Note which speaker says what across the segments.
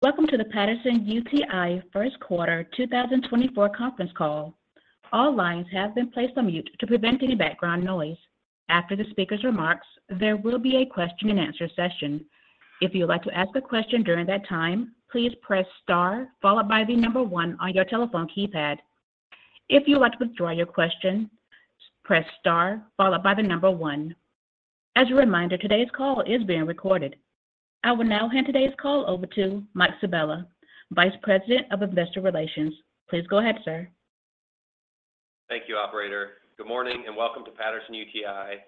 Speaker 1: Welcome to the Patterson-UTI Q1 2024 conference call. All lines have been placed on mute to prevent any background noise. After the speaker's remarks, there will be a question and answer session. If you would like to ask a question during that time, please press star followed by the number 1 on your telephone keypad. If you would like to withdraw your question, press star followed by the number 1. As a reminder, today's call is being recorded. I will now hand today's call over to Mike Sabella, Vice President of Investor Relations. Please go ahead, sir.
Speaker 2: Thank you, operator. Good morning, and welcome to Patterson-UTI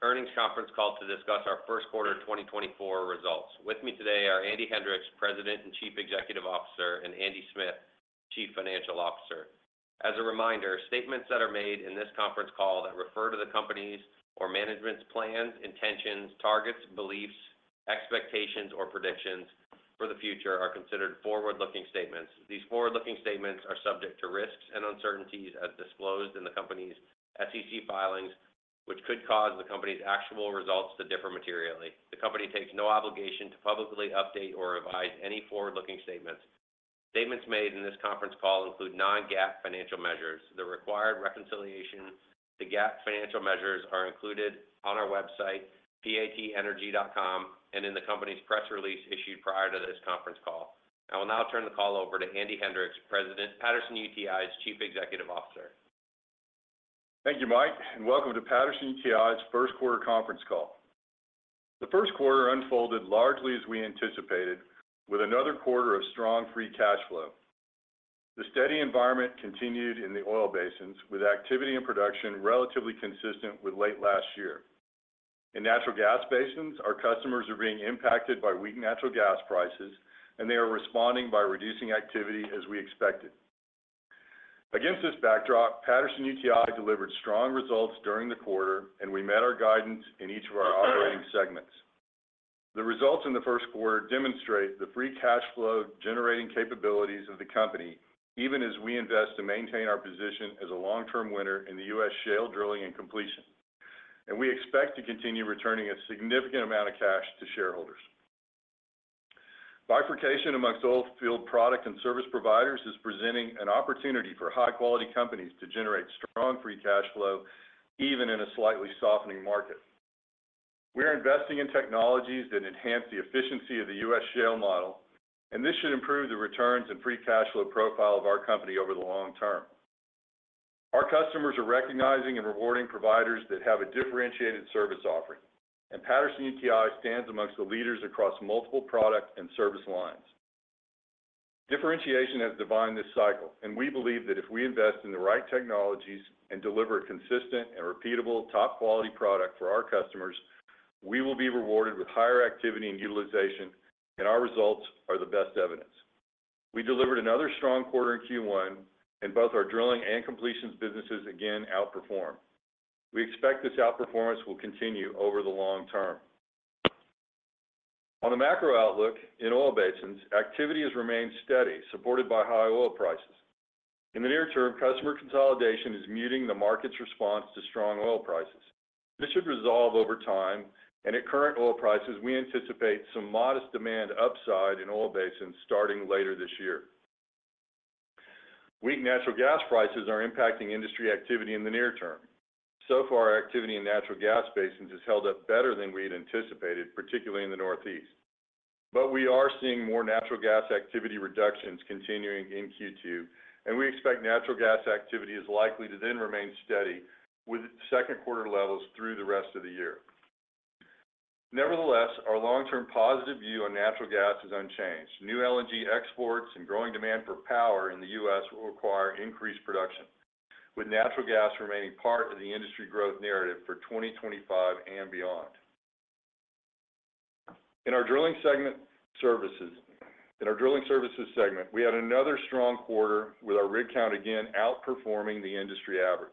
Speaker 2: Earnings Conference Call to discuss our Q1 of 2024 results. With me today are Andy Hendricks, President and Chief Executive Officer, and Andy Smith, Chief Financial Officer. As a reminder, statements that are made in this conference call that refer to the company's or management's plans, intentions, targets, beliefs, expectations, or predictions for the future are considered forward-looking statements. These forward-looking statements are subject to risks and uncertainties as disclosed in the company's SEC filings, which could cause the company's actual results to differ materially. The company takes no obligation to publicly update or revise any forward-looking statements. Statements made in this conference call include non-GAAP financial measures. The required reconciliation to GAAP financial measures are included on our website, patenergy.com, and in the company's press release issued prior to this conference call. I will now turn the call over to Andy Hendricks, President, Patterson-UTI's Chief Executive Officer.
Speaker 3: Thank you, Mike, and welcome to Patterson-UTI's Q1 conference call. The Q1 unfolded largely as we anticipated, with another quarter of strong free cash flow. The steady environment continued in the oil basins, with activity and production relatively consistent with late last year. In natural gas basins, our customers are being impacted by weak natural gas prices, and they are responding by reducing activity as we expected. Against this backdrop, Patterson-UTI delivered strong results during the quarter, and we met our guidance in each of our operating segments. The results in the Q1 demonstrate the free cash flow generating capabilities of the company, even as we invest to maintain our position as a long-term winner in the U.S. shale drilling and completion. We expect to continue returning a significant amount of cash to shareholders. Bifurcation amongst oil field product and service providers is presenting an opportunity for high-quality companies to generate strong free cash flow, even in a slightly softening market. We're investing in technologies that enhance the efficiency of the U.S. shale model, and this should improve the returns and free cash flow profile of our company over the long term. Our customers are recognizing and rewarding providers that have a differentiated service offering, and Patterson-UTI stands amongst the leaders across multiple product and service lines. Differentiation has defined this cycle, and we believe that if we invest in the right technologies and deliver consistent and repeatable top-quality product for our customers, we will be rewarded with higher activity and utilization, and our results are the best evidence. We delivered another strong quarter in Q1, and both our drilling and completions businesses again outperformed. We expect this outperformance will continue over the long term. On the macro outlook in oil basins, activity has remained steady, supported by high oil prices. In the near term, customer consolidation is muting the market's response to strong oil prices. This should resolve over time, and at current oil prices, we anticipate some modest demand upside in oil basins starting later this year. Weak natural gas prices are impacting industry activity in the near term. So far, activity in natural gas basins has held up better than we had anticipated, particularly in the Northeast. But we are seeing more natural gas activity reductions continuing in Q2, and we expect natural gas activity is likely to then remain steady with Q2 levels through the rest of the year. Nevertheless, our long-term positive view on natural gas is unchanged. New LNG exports and growing demand for power in the U.S. will require increased production, with natural gas remaining part of the industry growth narrative for 2025 and beyond. In our drilling services segment, we had another strong quarter with our rig count again outperforming the industry average.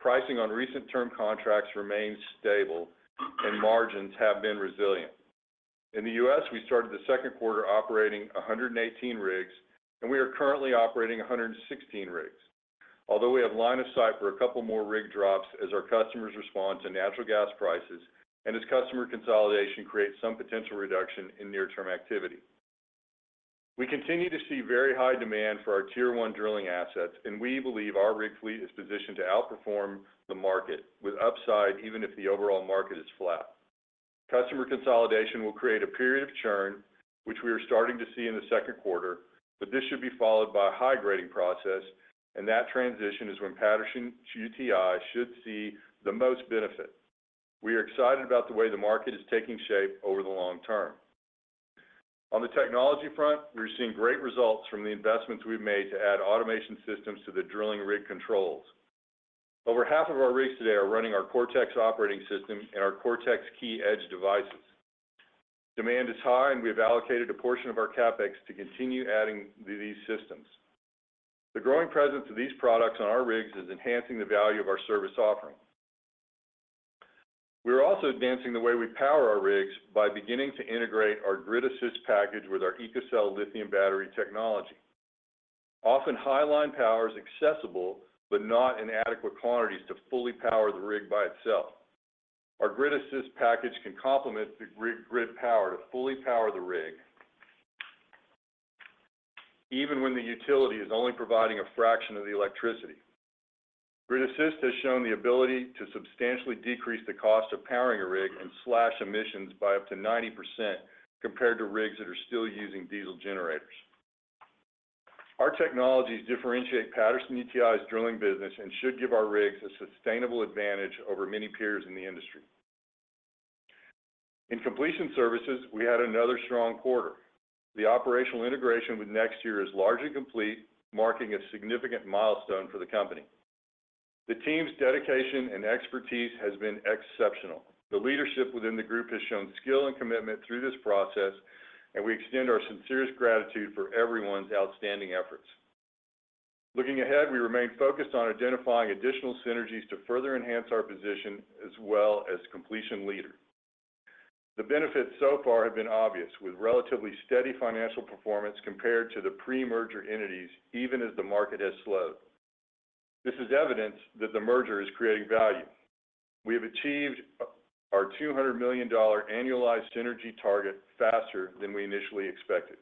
Speaker 3: Pricing on recent term contracts remains stable, and margins have been resilient. In the U.S., we started the Q2 operating 118 rigs, and we are currently operating 116 rigs. Although we have line of sight for a couple more rig drops as our customers respond to natural gas prices, and as customer consolidation creates some potential reduction in near-term activity. We continue to see very high demand for our Tier 1 drilling assets, and we believe our rig fleet is positioned to outperform the market, with upside even if the overall market is flat. Customer consolidation will create a period of churn, which we are starting to see in the Q2, but this should be followed by a high-grading process, and that transition is when Patterson-UTI should see the most benefit. We are excited about the way the market is taking shape over the long term. On the technology front, we're seeing great results from the investments we've made to add automation systems to the drilling rig controls. Over half of our rigs today are running our Cortex operating system and our Cortex KeyEdge devices. Demand is high, and we've allocated a portion of our CapEx to continue adding these systems. The growing presence of these products on our rigs is enhancing the value of our service offering. We're also advancing the way we power our rigs by beginning to integrate our GridAssist package with our EcoCell lithium battery technology. Often, high line power is accessible, but not in adequate quantities to fully power the rig by itself. Our GridAssist package can complement the grid, grid power to fully power the rig, even when the utility is only providing a fraction of the electricity. GridAssist has shown the ability to substantially decrease the cost of powering a rig and slash emissions by up to 90% compared to rigs that are still using diesel generators. Our technologies differentiate Patterson-UTI's drilling business and should give our rigs a sustainable advantage over many peers in the industry. In completion services, we had another strong quarter. The operational integration with NexTier is largely complete, marking a significant milestone for the company. The team's dedication and expertise has been exceptional. The leadership within the group has shown skill and commitment through this process, and we extend our sincerest gratitude for everyone's outstanding efforts. Looking ahead, we remain focused on identifying additional synergies to further enhance our position as a completion leader. The benefits so far have been obvious, with relatively steady financial performance compared to the pre-merger entities, even as the market has slowed. This is evidence that the merger is creating value. We have achieved our $200 million annualized synergy target faster than we initially expected.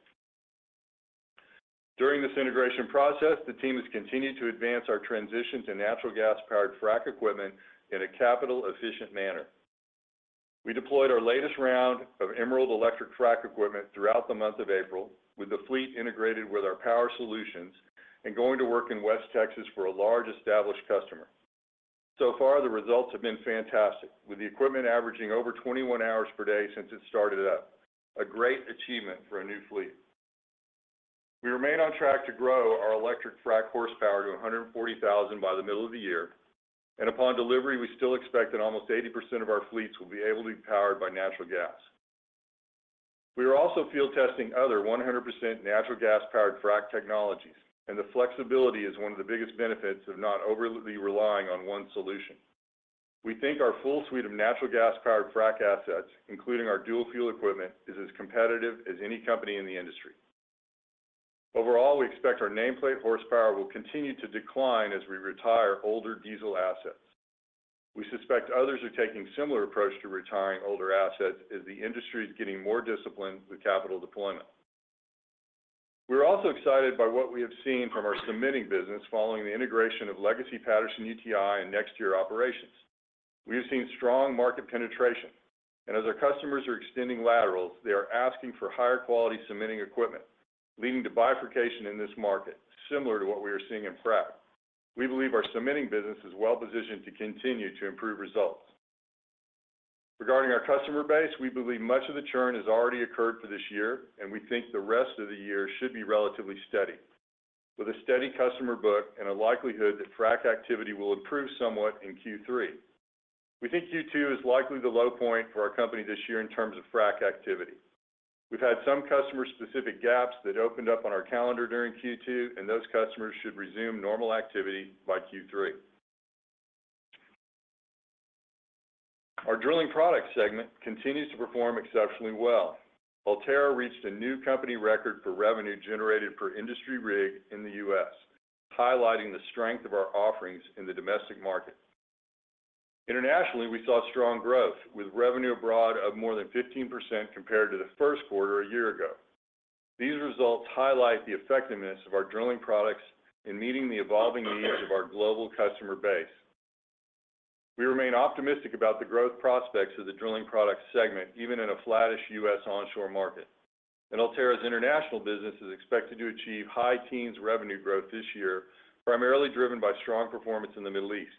Speaker 3: During this integration process, the team has continued to advance our transition to natural gas-powered frac equipment in a capital-efficient manner. We deployed our latest round of Emerald electric frack equipment throughout the month of April, with the fleet integrated with our Power Solutions and going to work in West Texas for a large established customer. So far, the results have been fantastic, with the equipment averaging over 21 hours per day since it started up. A great achievement for a new fleet. We remain on track to grow our electric frack horsepower to 140,000 by the middle of the year, and upon delivery, we still expect that almost 80% of our fleets will be able to be powered by natural gas. We are also field testing other 100% natural gas-powered frack technologies, and the flexibility is one of the biggest benefits of not overly relying on one solution. We think our full suite of natural gas-powered frack assets, including our dual fuel equipment, is as competitive as any company in the industry. Overall, we expect our nameplate horsepower will continue to decline as we retire older diesel assets. We suspect others are taking similar approach to retiring older assets as the industry is getting more disciplined with capital deployment. We're also excited by what we have seen from our cementing business following the integration of Legacy Patterson-UTI and NexTier operations. We have seen strong market penetration, and as our customers are extending laterals, they are asking for higher quality cementing equipment, leading to bifurcation in this market, similar to what we are seeing in frack. We believe our cementing business is well positioned to continue to improve results. Regarding our customer base, we believe much of the churn has already occurred for this year, and we think the rest of the year should be relatively steady, with a steady customer book and a likelihood that frack activity will improve somewhat in Q3. We think Q2 is likely the low point for our company this year in terms of frack activity. We've had some customer-specific gaps that opened up on our calendar during Q2, and those customers should resume normal activity by Q3. Our drilling products segment continues to perform exceptionally well. Ulterra reached a new company record for revenue generated per industry rig in the U.S., highlighting the strength of our offerings in the domestic market. Internationally, we saw strong growth, with revenue abroad of more than 15% compared to the Q1 a year ago. These results highlight the effectiveness of our drilling products in meeting the evolving needs of our global customer base. We remain optimistic about the growth prospects of the drilling products segment, even in a flattish U.S. onshore market. Ulterra's international business is expected to achieve high teens revenue growth this year, primarily driven by strong performance in the Middle East.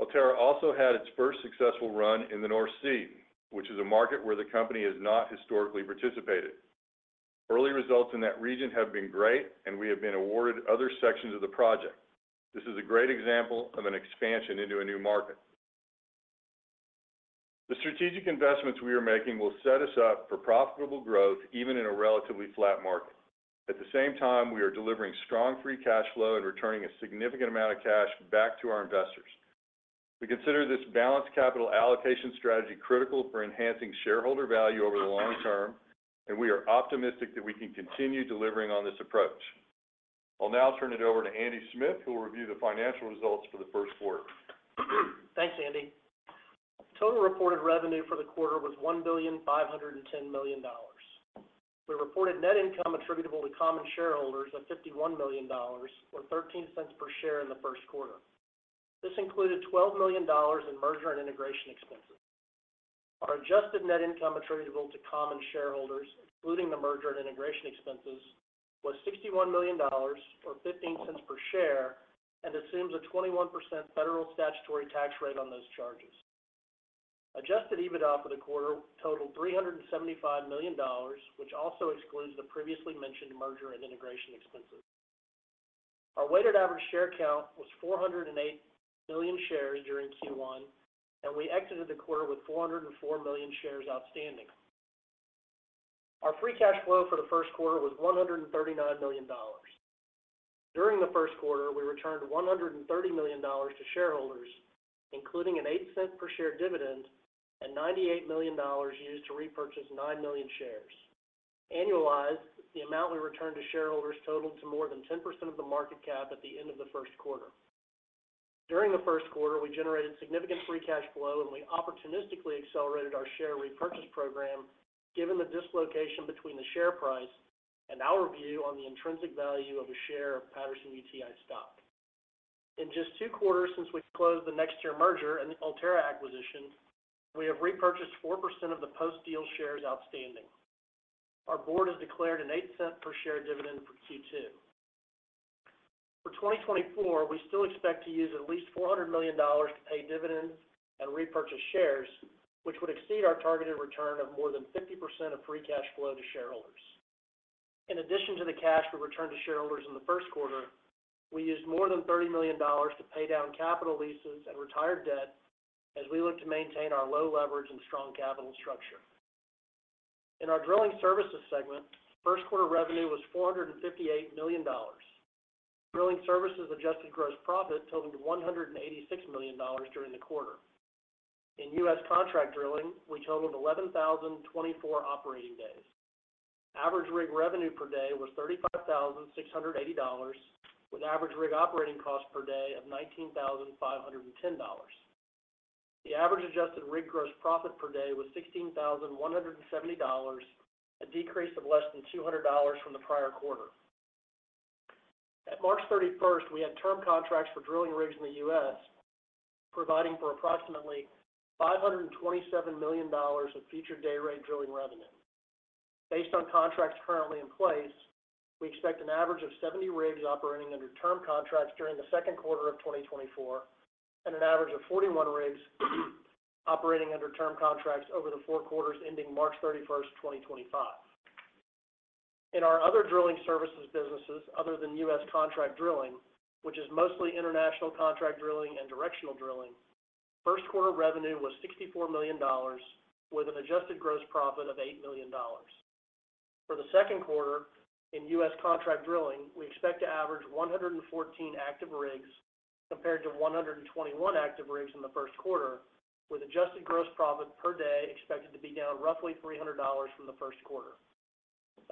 Speaker 3: Ulterra also had its first successful run in the North Sea, which is a market where the company has not historically participated. Early results in that region have been great, and we have been awarded other sections of the project. This is a great example of an expansion into a new market. The strategic investments we are making will set us up for profitable growth, even in a relatively flat market. At the same time, we are delivering strong free cash flow and returning a significant amount of cash back to our investors. We consider this balanced capital allocation strategy critical for enhancing shareholder value over the long term, and we are optimistic that we can continue delivering on this approach. I'll now turn it over to Andy Smith, who will review the financial results for the Q1.
Speaker 4: Thanks, Andy. Total reported revenue for the quarter was $1.51 billion. We reported net income attributable to common shareholders of $51 million, or $0.13 per share in the Q1. This included $12 million in merger and integration expenses. Our adjusted net income attributable to common shareholders, including the merger and integration expenses, was $61 million or $0.15 per share, and assumes a 21% federal statutory tax rate on those charges. Adjusted EBITDA for the quarter totaled $375 million, which also excludes the previously mentioned merger and integration expenses. Our weighted average share count was 408 million shares during Q1, and we exited the quarter with 404 million shares outstanding. Our free cash flow for the Q1 was $139 million. During the Q1, we returned $130 million to shareholders, including an 8 cents per share dividend and $98 million used to repurchase 9 million shares. Annualized, the amount we returned to shareholders totaled to more than 10% of the market cap at the end of the Q1. During the Q1, we generated significant free cash flow, and we opportunistically accelerated our share repurchase program, given the dislocation between the share price and our view on the intrinsic value of a share of Patterson-UTI stock. In just 2 quarters since we closed the NexTier merger and the Ulterra acquisition, we have repurchased 4% of the post-deal shares outstanding. Our board has declared an 8 cents per share dividend for Q2. For 2024, we still expect to use at least $400 million to pay dividends and repurchase shares, which would exceed our targeted return of more than 50% of free cash flow to shareholders. In addition to the cash we returned to shareholders in the Q1, we used more than $30 million to pay down capital leases and retired debt as we look to maintain our low leverage and strong capital structure. In our drilling services segment, Q1 revenue was $458 million. Drilling services adjusted gross profit totaled $186 million during the quarter. In US contract drilling, we totaled 11,024 operating days. Average rig revenue per day was $35,680, with average rig operating costs per day of $19,510. The average adjusted rig gross profit per day was $16,170, a decrease of less than $200 from the prior quarter. At March 31st, we had term contracts for drilling rigs in the U.S., providing for approximately $527 million of future dayrate drilling revenue. Based on contracts currently in place, we expect an average of 70 rigs operating under term contracts during the Q2 of 2024, and an average of 41 rigs operating under term contracts over the four quarters ending March 31st, 2025. In our other drilling services businesses other than U.S. contract drilling, which is mostly international contract drilling and directional drilling, Q1 revenue was $64 million, with an adjusted gross profit of $8 million. For the Q2 in U.S. contract drilling, we expect to average 114 active rigs, compared to 121 active rigs in the Q1, with adjusted gross profit per day expected to be down roughly $300 from the Q1.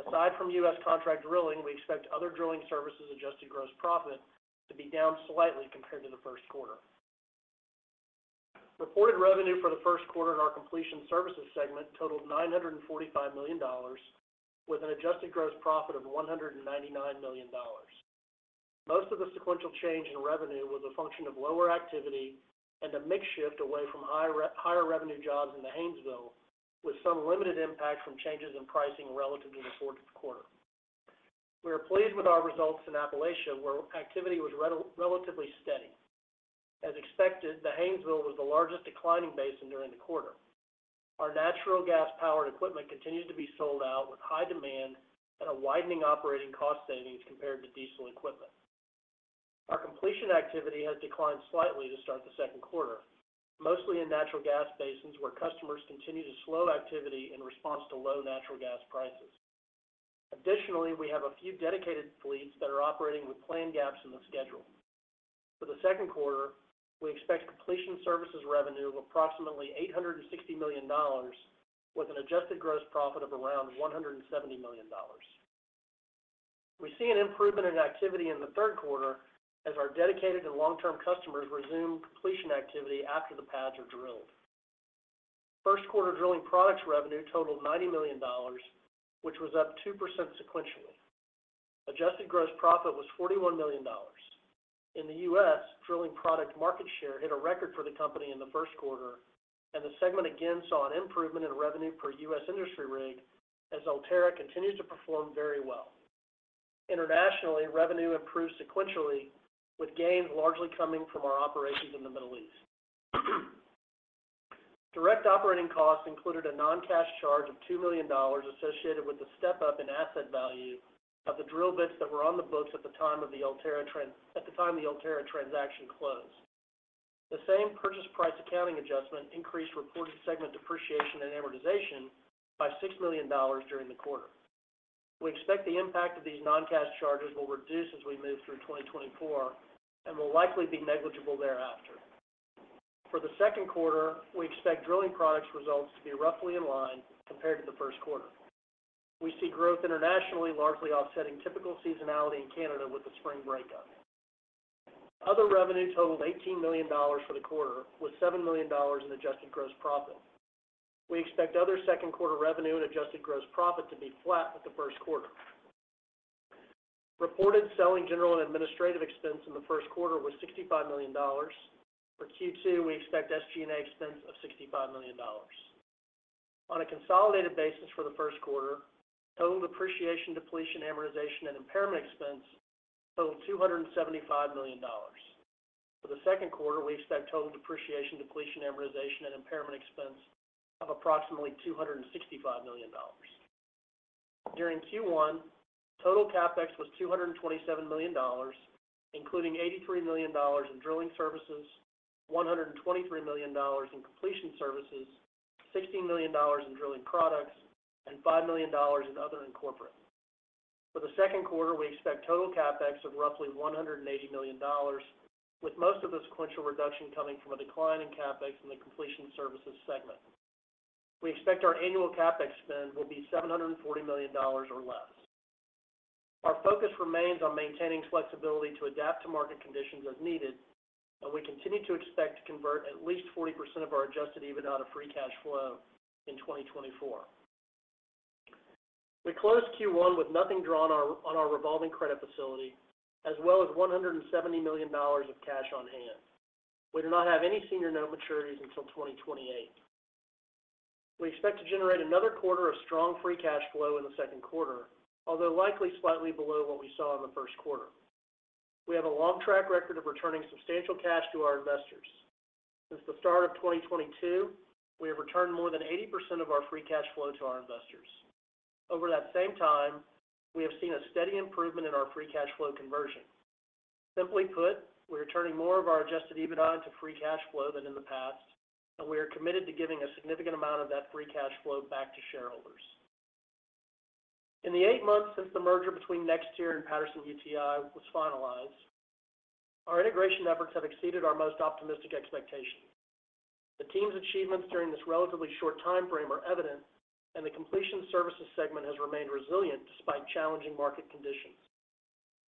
Speaker 4: Aside from U.S. contract drilling, we expect other drilling services adjusted gross profit to be down slightly compared to the Q1. Reported revenue for the Q1 in our completion services segment totaled $945 million, with an adjusted gross profit of $199 million. Most of the sequential change in revenue was a function of lower activity and a mix shift away from higher revenue jobs in the Haynesville, with some limited impact from changes in pricing relative to the Q4. We are pleased with our results in Appalachia, where activity was relatively steady. As expected, the Haynesville was the largest declining basin during the quarter. Our natural gas powered equipment continues to be sold out, with high demand and a widening operating cost savings compared to diesel equipment. Our completion activity has declined slightly to start the Q2, mostly in natural gas basins, where customers continue to slow activity in response to low natural gas prices. Additionally, we have a few dedicated fleets that are operating with planned gaps in the schedule. For the Q2, we expect completion services revenue of approximately $860 million, with an adjusted gross profit of around $170 million. We see an improvement in activity in the Q3 as our dedicated and long-term customers resume completion activity after the pads are drilled. Q1 drilling products revenue totaled $90 million, which was up 2% sequentially. Adjusted gross profit was $41 million. In the U.S., drilling product market share hit a record for the company in the Q1, and the segment again saw an improvement in revenue per U.S. industry rig as Ulterra continues to perform very well. Internationally, revenue improved sequentially, with gains largely coming from our operations in the Middle East. Direct operating costs included a non-cash charge of $2 million associated with the step up in asset value of the drill bits that were on the books at the time the Ulterra transaction closed. The same purchase price accounting adjustment increased reported segment depreciation and amortization by $6 million during the quarter. We expect the impact of these non-cash charges will reduce as we move through 2024 and will likely be negligible thereafter. For the Q2, we expect drilling products results to be roughly in line compared to the Q1. We see growth internationally, largely offsetting typical seasonality in Canada with the spring breakup. Other revenue totaled $18 million for the quarter, with $7 million in adjusted gross profit. We expect other Q2 revenue and adjusted gross profit to be flat with the Q1. Reported selling general and administrative expense in the Q1 was $65 million. For Q2, we expect SG&A expense of $65 million. On a consolidated basis for the Q1, total depreciation, depletion, amortization, and impairment expense totaled $275 million. For the Q2, we expect total depreciation, depletion, amortization, and impairment expense of approximately $265 million. During Q1, total CapEx was $227 million, including $83 million in drilling services, $123 million in completion services, $16 million in drilling products, and $5 million in other and corporate. For the Q2, we expect total CapEx of roughly $180 million, with most of the sequential reduction coming from a decline in CapEx in the Completion Services segment. We expect our annual CapEx spend will be $740 million or less. Our focus remains on maintaining flexibility to adapt to market conditions as needed, and we continue to expect to convert at least 40% of our adjusted EBITDA to free cash flow in 2024. We closed Q1 with nothing drawn on our revolving credit facility, as well as $170 million of cash on hand. We do not have any senior note maturities until 2028. We expect to generate another quarter of strong free cash flow in the Q2, although likely slightly below what we saw in the Q1. We have a long track record of returning substantial cash to our investors. Since the start of 2022, we have returned more than 80% of our free cash flow to our investors. Over that same time, we have seen a steady improvement in our free cash flow conversion. Simply put, we are turning more of our adjusted EBITDA into free cash flow than in the past, and we are committed to giving a significant amount of that free cash flow back to shareholders. In the eight months since the merger between NexTier and Patterson-UTI was finalized, our integration efforts have exceeded our most optimistic expectations. The team's achievements during this relatively short time frame are evident, and the completion services segment has remained resilient despite challenging market conditions.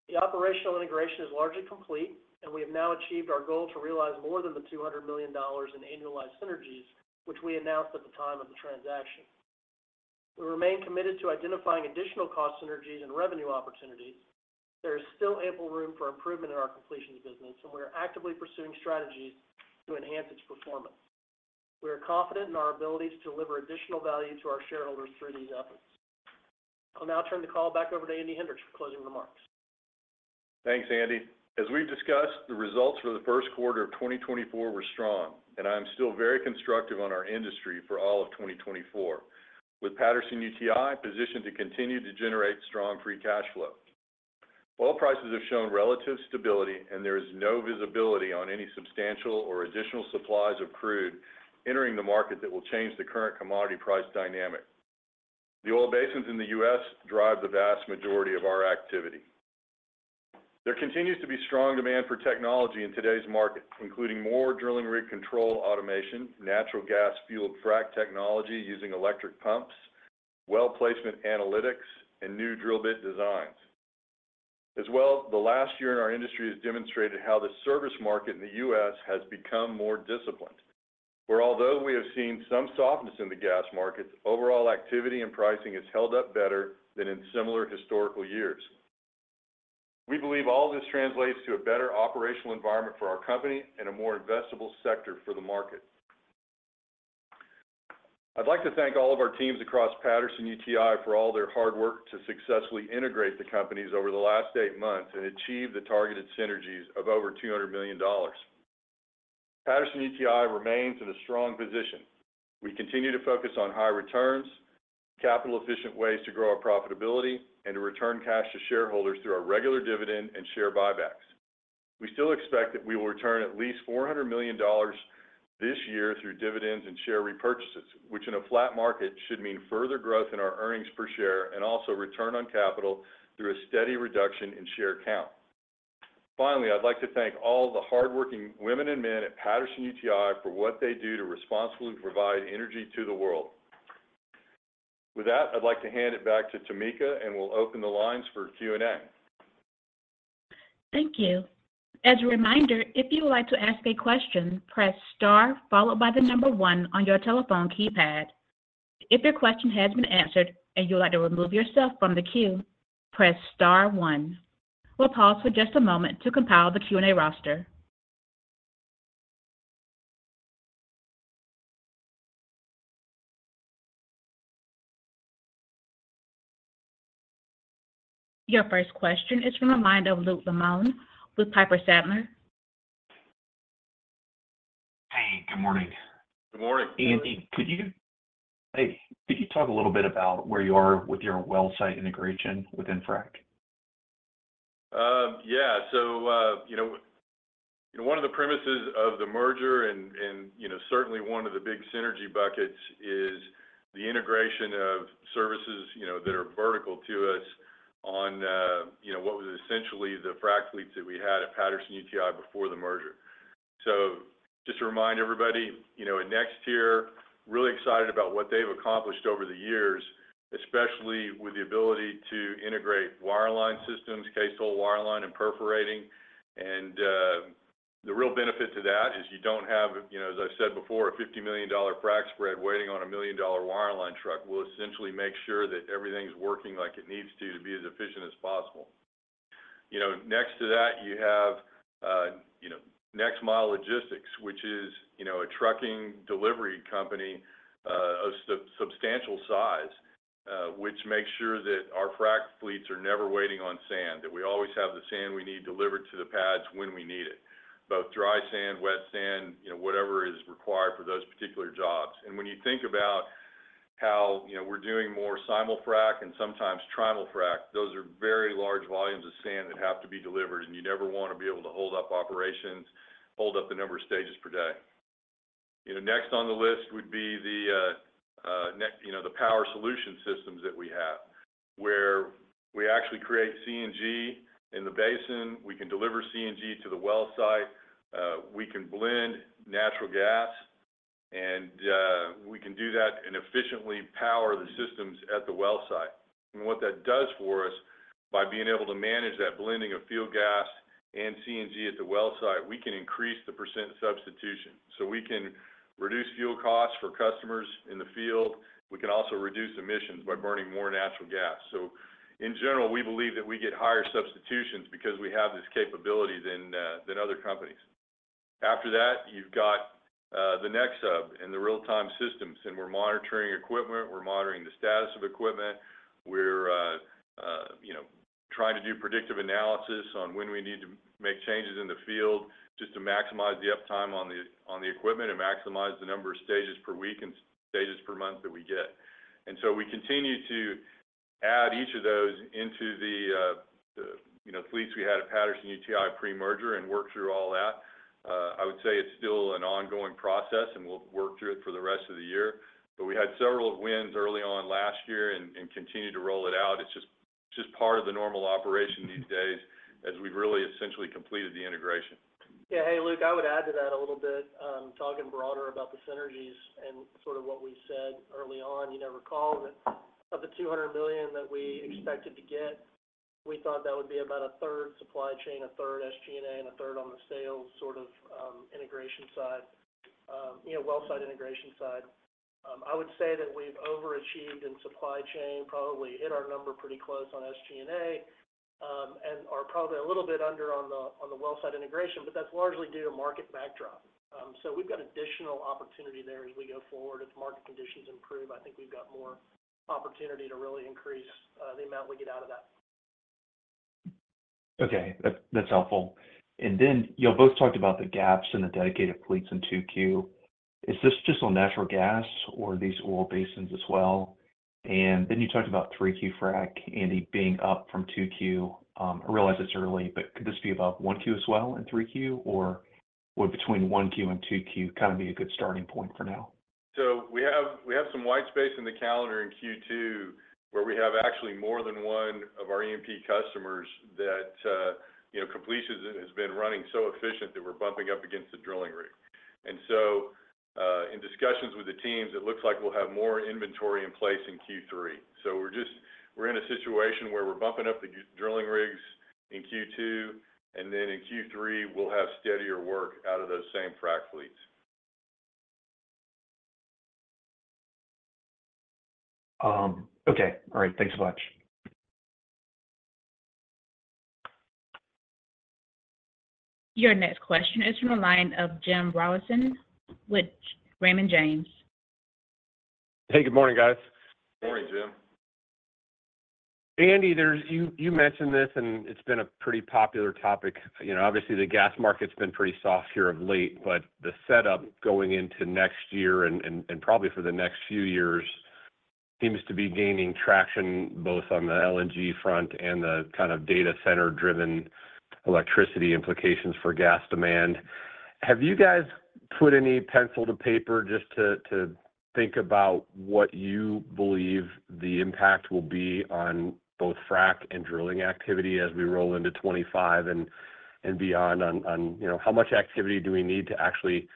Speaker 4: The operational integration is largely complete, and we have now achieved our goal to realize more than $200 million in annualized synergies, which we announced at the time of the transaction. We remain committed to identifying additional cost synergies and revenue opportunities. There is still ample room for improvement in our completions business, and we are actively pursuing strategies to enhance its performance. We are confident in our ability to deliver additional value to our shareholders through these efforts. I'll now turn the call back over to Andy Hendricks for closing remarks.
Speaker 3: Thanks, Andy. As we've discussed, the results for the Q1 of 2024 were strong, and I'm still very constructive on our industry for all of 2024, with Patterson-UTI positioned to continue to generate strong free cash flow. Oil prices have shown relative stability, and there is no visibility on any substantial or additional supplies of crude entering the market that will change the current commodity price dynamic. The oil basins in the U.S. drive the vast majority of our activity. There continues to be strong demand for technology in today's market, including more drilling rig control automation, natural gas-fueled frack technology using electric pumps, well placement analytics, and new drill bit designs. As well, the last year in our industry has demonstrated how the service market in the US has become more disciplined, where although we have seen some softness in the gas markets, overall activity and pricing has held up better than in similar historical years. We believe all this translates to a better operational environment for our company and a more investable sector for the market. I'd like to thank all of our teams across Patterson-UTI for all their hard work to successfully integrate the companies over the last eight months and achieve the targeted synergies of over $200 million. Patterson-UTI remains in a strong position. We continue to focus on high returns, capital-efficient ways to grow our profitability, and to return cash to shareholders through our regular dividend and share buybacks. We still expect that we will return at least $400 million this year through dividends and share repurchases, which in a flat market, should mean further growth in our earnings per share and also return on capital through a steady reduction in share count. Finally, I'd like to thank all the hardworking women and men at Patterson-UTI for what they do to responsibly provide energy to the world. With that, I'd like to hand it back to Tamika, and we'll open the lines for Q&A.
Speaker 1: Thank you. As a reminder, if you would like to ask a question, press star followed by the number one on your telephone keypad. If your question has been answered and you would like to remove yourself from the queue, press star one. We'll pause for just a moment to compile the Q&A roster. Your first question is from the line of Luke Lemoine with Piper Sandler.
Speaker 5: Hey, good morning.
Speaker 3: Good morning.
Speaker 5: Andy, hey, could you talk a little bit about where you are with your well site integration within frack?
Speaker 3: Yeah. So, you know, one of the premises of the merger and, you know, certainly one of the big synergy buckets is the integration of services, you know, that are vertical to us on, you know, what was essentially the frack fleets that we had at Patterson-UTI before the merger. So just to remind everybody, you know, at Nextier, really excited about what they've accomplished over the years, especially with the ability to integrate wireline systems, cased-hole wireline and perforating. And, the real benefit to that is you don't have, you know, as I said before, a $50 million frack spread waiting on a $1 million wireline truck. We'll essentially make sure that everything's working like it needs to, to be as efficient as possible. You know, next to that, you have NexMile Logistics, which is a trucking delivery company of substantial size, which makes sure that our frack fleets are never waiting on sand, that we always have the sand we need delivered to the pads when we need it, both dry sand, wet sand, you know, whatever is required for those particular jobs. And when you think about how, you know, we're doing more simul-frac and sometimes trimul-frac, those are very large volumes of sand that have to be delivered, and you never want to be able to hold up operations, hold up the number of stages per day. You know, next on the list would be the power solution systems that we have, where we actually create CNG in the basin. We can deliver CNG to the well site, we can blend natural gas, and, we can do that and efficiently power the systems at the well site. And what that does for us, by being able to manage that blending of fuel gas and CNG at the well site, we can increase the percent substitution. So we can reduce fuel costs for customers in the field. We can also reduce emissions by burning more natural gas. So in general, we believe that we get higher substitutions because we have this capability than, than other companies. After that, you've got, the NexHub and the real-time systems, and we're monitoring equipment, we're monitoring the status of equipment. We're, you know, trying to do predictive analysis on when we need to make changes in the field just to maximize the uptime on the equipment and maximize the number of stages per week and stages per month that we get. And so we continue to add each of those into the, you know, fleets we had at Patterson-UTI pre-merger and work through all that. I would say it's still an ongoing process, and we'll work through it for the rest of the year, but we had several wins early on last year and continue to roll it out. It's just part of the normal operation these days as we've really essentially completed the integration.
Speaker 4: Yeah, hey, Luke, I would add to that a little bit. Talking broader about the synergies and sort of what we said early on, you know, recall that of the $200 million that we expected to get, we thought that would be about a third supply chain, a third SG&A, and a third on the sales sort of integration side. You know, well site integration side. I would say that we've overachieved in supply chain, probably hit our number pretty close on SG&A, and are probably a little bit under on the well site integration, but that's largely due to market backdrop. So we've got additional opportunity there as we go forward. If the market conditions improve, I think we've got more opportunity to really increase the amount we get out of that.
Speaker 5: Okay. That's, that's helpful. And then you both talked about the gaps in the dedicated fleets in 2Q. Is this just on natural gas or these oil basins as well? And then you talked about 3Q frack, Andy, being up from 2Q. I realize it's early, but could this be above 1Q as well in 3Q, or would between 1Q and 2Q kinda be a good starting point for now?
Speaker 3: So we have, we have some white space in the calendar in Q2, where we have actually more than one of our E&P customers that, you know, completion has been running so efficient that we're bumping up against the drilling rig. And so, in discussions with the teams, it looks like we'll have more inventory in place in Q3. So we're just-- we're in a situation where we're bumping up the drilling rigs in Q2, and then in Q3, we'll have steadier work out of those same frack fleets.
Speaker 5: Okay. All right. Thanks so much.
Speaker 1: Your next question is from the line of Jim Rollyson with Raymond James.
Speaker 6: Hey, good morning, guys.
Speaker 3: Morning, Jim.
Speaker 6: Andy, there's... You mentioned this, and it's been a pretty popular topic. You know, obviously, the gas market's been pretty soft here of late, but the setup going into next year and probably for the next few years seems to be gaining traction, both on the LNG front and the kind of data center-driven electricity implications for gas demand. Have you guys put any pencil to paper just to think about what you believe the impact will be on both frack and drilling activity as we roll into 25 and beyond on, you know, how much activity do we need to actually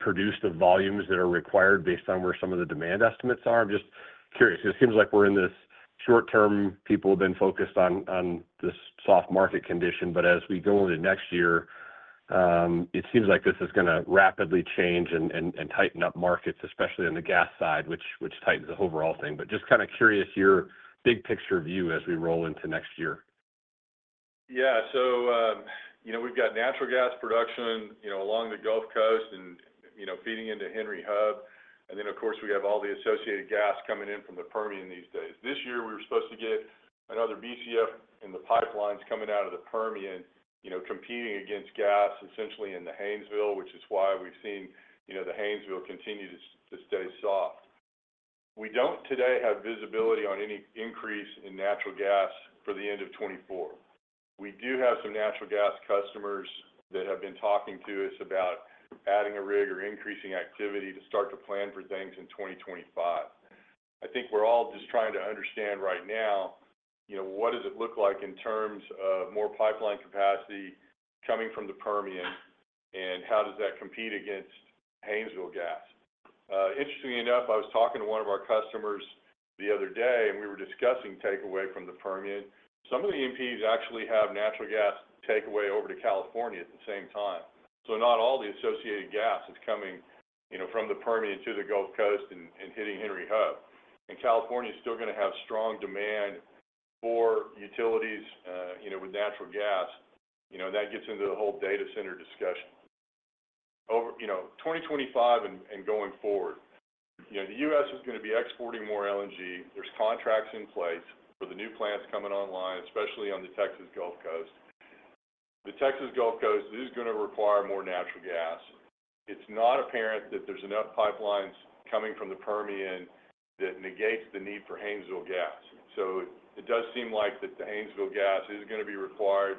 Speaker 6: produce the volumes that are required based on where some of the demand estimates are? I'm just curious. It seems like we're in this short term. People have been focused on this soft market condition, but as we go into next year, it seems like this is gonna rapidly change and tighten up markets, especially on the gas side, which tightens the overall thing. But just kind of curious your big picture view as we roll into next year.
Speaker 3: Yeah. So, you know, we've got natural gas production, you know, along the Gulf Coast and, you know, feeding into Henry Hub, and then, of course, we have all the associated gas coming in from the Permian these days. This year, we were supposed to get another BCF in the pipelines coming out of the Permian, you know, competing against gas essentially in the Haynesville, which is why we've seen, you know, the Haynesville continue to stay soft. We don't today have visibility on any increase in natural gas for the end of 2024. We do have some natural gas customers that have been talking to us about adding a rig or increasing activity to start to plan for things in 2025. I think we're all just trying to understand right now, you know, what does it look like in terms of more pipeline capacity coming from the Permian, and how does that compete against Haynesville Gas? Interestingly enough, I was talking to one of our customers the other day, and we were discussing takeaway from the Permian. Some of the E&Ps actually have natural gas takeaway over to California at the same time. So not all the associated gas is coming, you know, from the Permian to the Gulf Coast and hitting Henry Hub. And California is still gonna have strong demand for utilities, you know, with natural gas. You know, that gets into the whole data center discussion. Over, you know, 2025 and going forward, you know, the U.S. is gonna be exporting more LNG. There's contracts in place for the new plants coming online, especially on the Texas Gulf Coast. The Texas Gulf Coast is gonna require more natural gas. It's not apparent that there's enough pipelines coming from the Permian that negates the need for Haynesville Gas. So it does seem like that the Haynesville Gas is gonna be required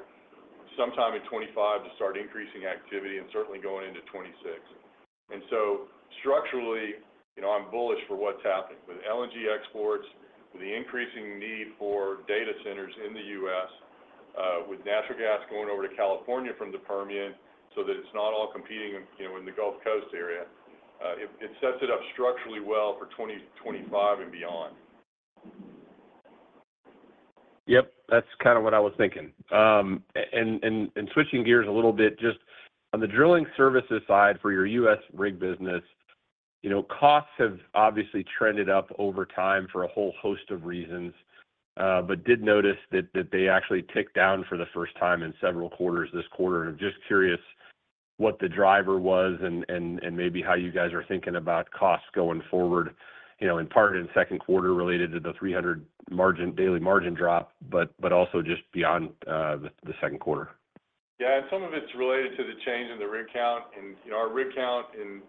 Speaker 3: sometime in 2025 to start increasing activity and certainly going into 2026. And so structurally, you know, I'm bullish for what's happening. With LNG exports, with the increasing need for data centers in the US, with natural gas going over to California from the Permian, so that it's not all competing, you know, in the Gulf Coast area, it sets it up structurally well for 2025 and beyond.
Speaker 4: Yep, that's kind of what I was thinking. And switching gears a little bit, just on the drilling services side for your U.S. rig business, you know, costs have obviously trended up over time for a whole host of reasons, but did notice that they actually ticked down for the first time in several quarters this quarter. And I'm just curious what the driver was and maybe how you guys are thinking about costs going forward, you know, in part in the Q2 related to the $300 daily margin drop, but also just beyond the Q2.
Speaker 3: Yeah, and some of it's related to the change in the rig count. And, you know, our rig count in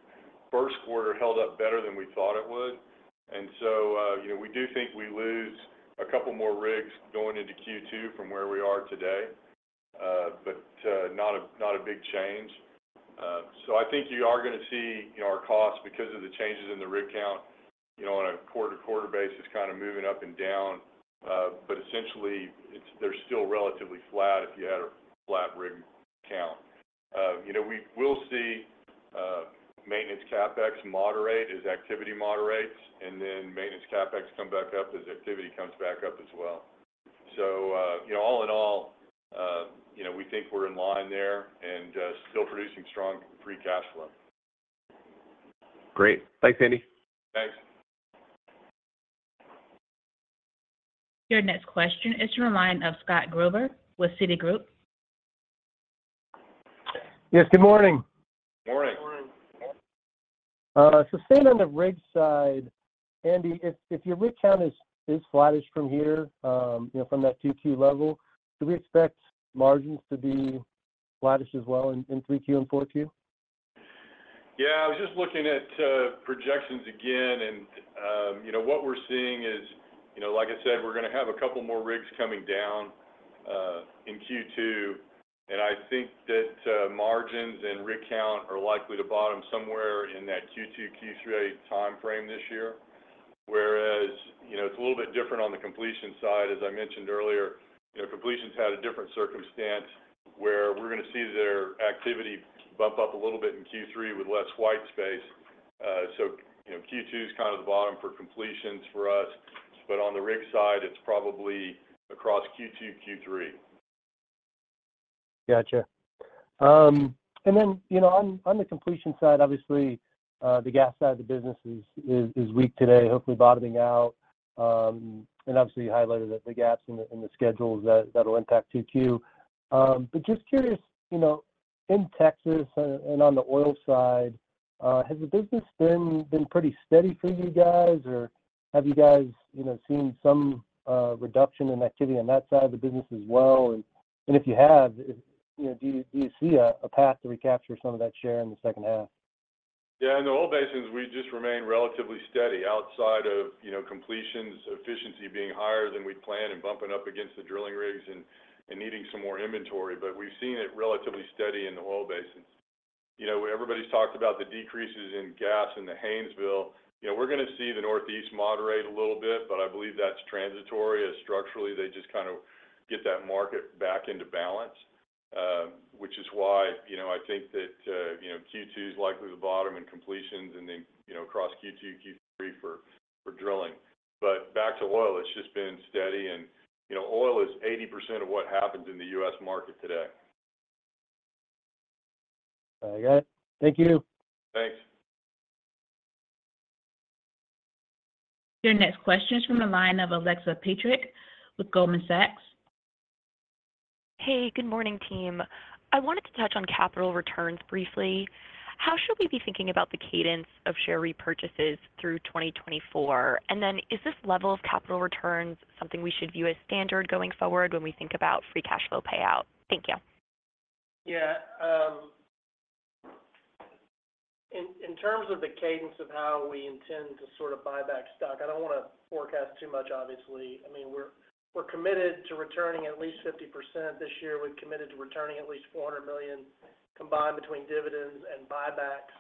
Speaker 3: Q1 held up better than we thought it would. And so, you know, we do think we lose a couple more rigs going into Q2 from where we are today, but not a big change. So I think you are gonna see, you know, our costs because of the changes in the rig count, you know, on a quarter-to-quarter basis, kind of moving up and down. But essentially, it's, they're still relatively flat if you had a flat rig count. You know, we will see maintenance CapEx moderate as activity moderates, and then maintenance CapEx come back up as activity comes back up as well. So, you know, all in all, you know, we think we're in line there and still producing strong free cash flow.
Speaker 4: Great. Thanks, Andy.
Speaker 3: Thanks.
Speaker 1: Your next question is from the line of Scott Gruber with Citigroup.
Speaker 7: Yes, good morning.
Speaker 3: Morning.
Speaker 4: Morning.
Speaker 7: So staying on the rig side, Andy, if your rig count is flattish from here, you know, from that Q2 level, do we expect margins to be flattish as well in Q3 and Q4?
Speaker 3: Yeah, I was just looking at projections again, and, you know, what we're seeing is, you know, like I said, we're gonna have a couple more rigs coming down in Q2, and I think that margins and rig count are likely to bottom somewhere in that Q2, Q3 timeframe this year. Whereas, you know, it's a little bit different on the completion side. As I mentioned earlier, you know, completions had a different circumstance, where we're gonna see their activity bump up a little bit in Q3 with less white space. So, you know, Q2 is kind of the bottom for completions for us, but on the rig side, it's probably across Q2, Q3.
Speaker 7: Gotcha. And then, you know, on the completion side, obviously, the gas side of the business is weak today, hopefully bottoming out. And obviously, you highlighted that the gaps in the schedules that will impact Q2. But just curious, you know, in Texas and on the oil side, has the business been pretty steady for you guys, or have you guys, you know, seen some reduction in activity on that side of the business as well? And if you have, you know, do you see a path to recapture some of that share in the second half?
Speaker 3: Yeah, in the oil basins, we just remain relatively steady outside of, you know, completions, efficiency being higher than we'd planned, and bumping up against the drilling rigs and, and needing some more inventory. But we've seen it relatively steady in the oil basins. You know, everybody's talked about the decreases in gas in the Haynesville. You know, we're gonna see the Northeast moderate a little bit, but I believe that's transitory, as structurally, they just kind of get that market back into balance. Which is why, you know, I think that, you know, Q2 is likely to bottom in completions and then, you know, across Q2, Q3 for, for drilling. But back to oil, it's just been steady and, you know, oil is 80% of what happens in the U.S. market today.
Speaker 7: I got it. Thank you.
Speaker 3: Thanks.
Speaker 1: Your next question is from the line of Alexa Patrick with Goldman Sachs.
Speaker 8: Hey, good morning, team. I wanted to touch on capital returns briefly. How should we be thinking about the cadence of share repurchases through 2024? And then, is this level of capital returns something we should view as standard going forward when we think about free cash flow payout? Thank you.
Speaker 4: Yeah, in terms of the cadence of how we intend to sort of buy back stock, I don't wanna forecast too much, obviously. I mean, we're committed to returning at least 50% this year. We've committed to returning at least $400 million, combined between dividends and buybacks.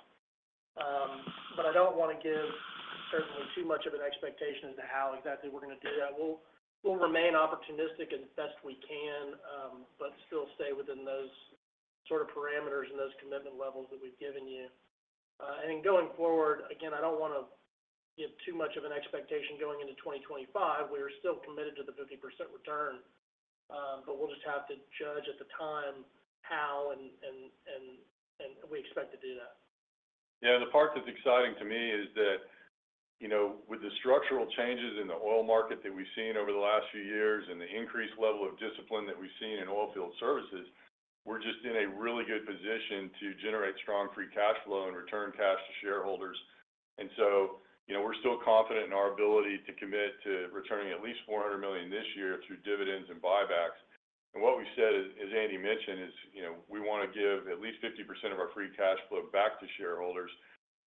Speaker 4: But I don't wanna give certainly too much of an expectation as to how exactly we're gonna do that. We'll remain opportunistic as best we can, but still stay within those sort of parameters and those commitment levels that we've given you. And then going forward, again, I don't wanna give too much of an expectation going into 2025. We are still committed to the 50% return, but we'll just have to judge at the time how and we expect to do that.
Speaker 3: Yeah, the part that's exciting to me is that, you know, with the structural changes in the oil market that we've seen over the last few years and the increased level of discipline that we've seen in oil field services, we're just in a really good position to generate strong free cash flow and return cash to shareholders. And so, you know, we're still confident in our ability to commit to returning at least $400 million this year through dividends and buybacks. And what we've said, as, as Andy mentioned, is, you know, we wanna give at least 50% of our free cash flow back to shareholders,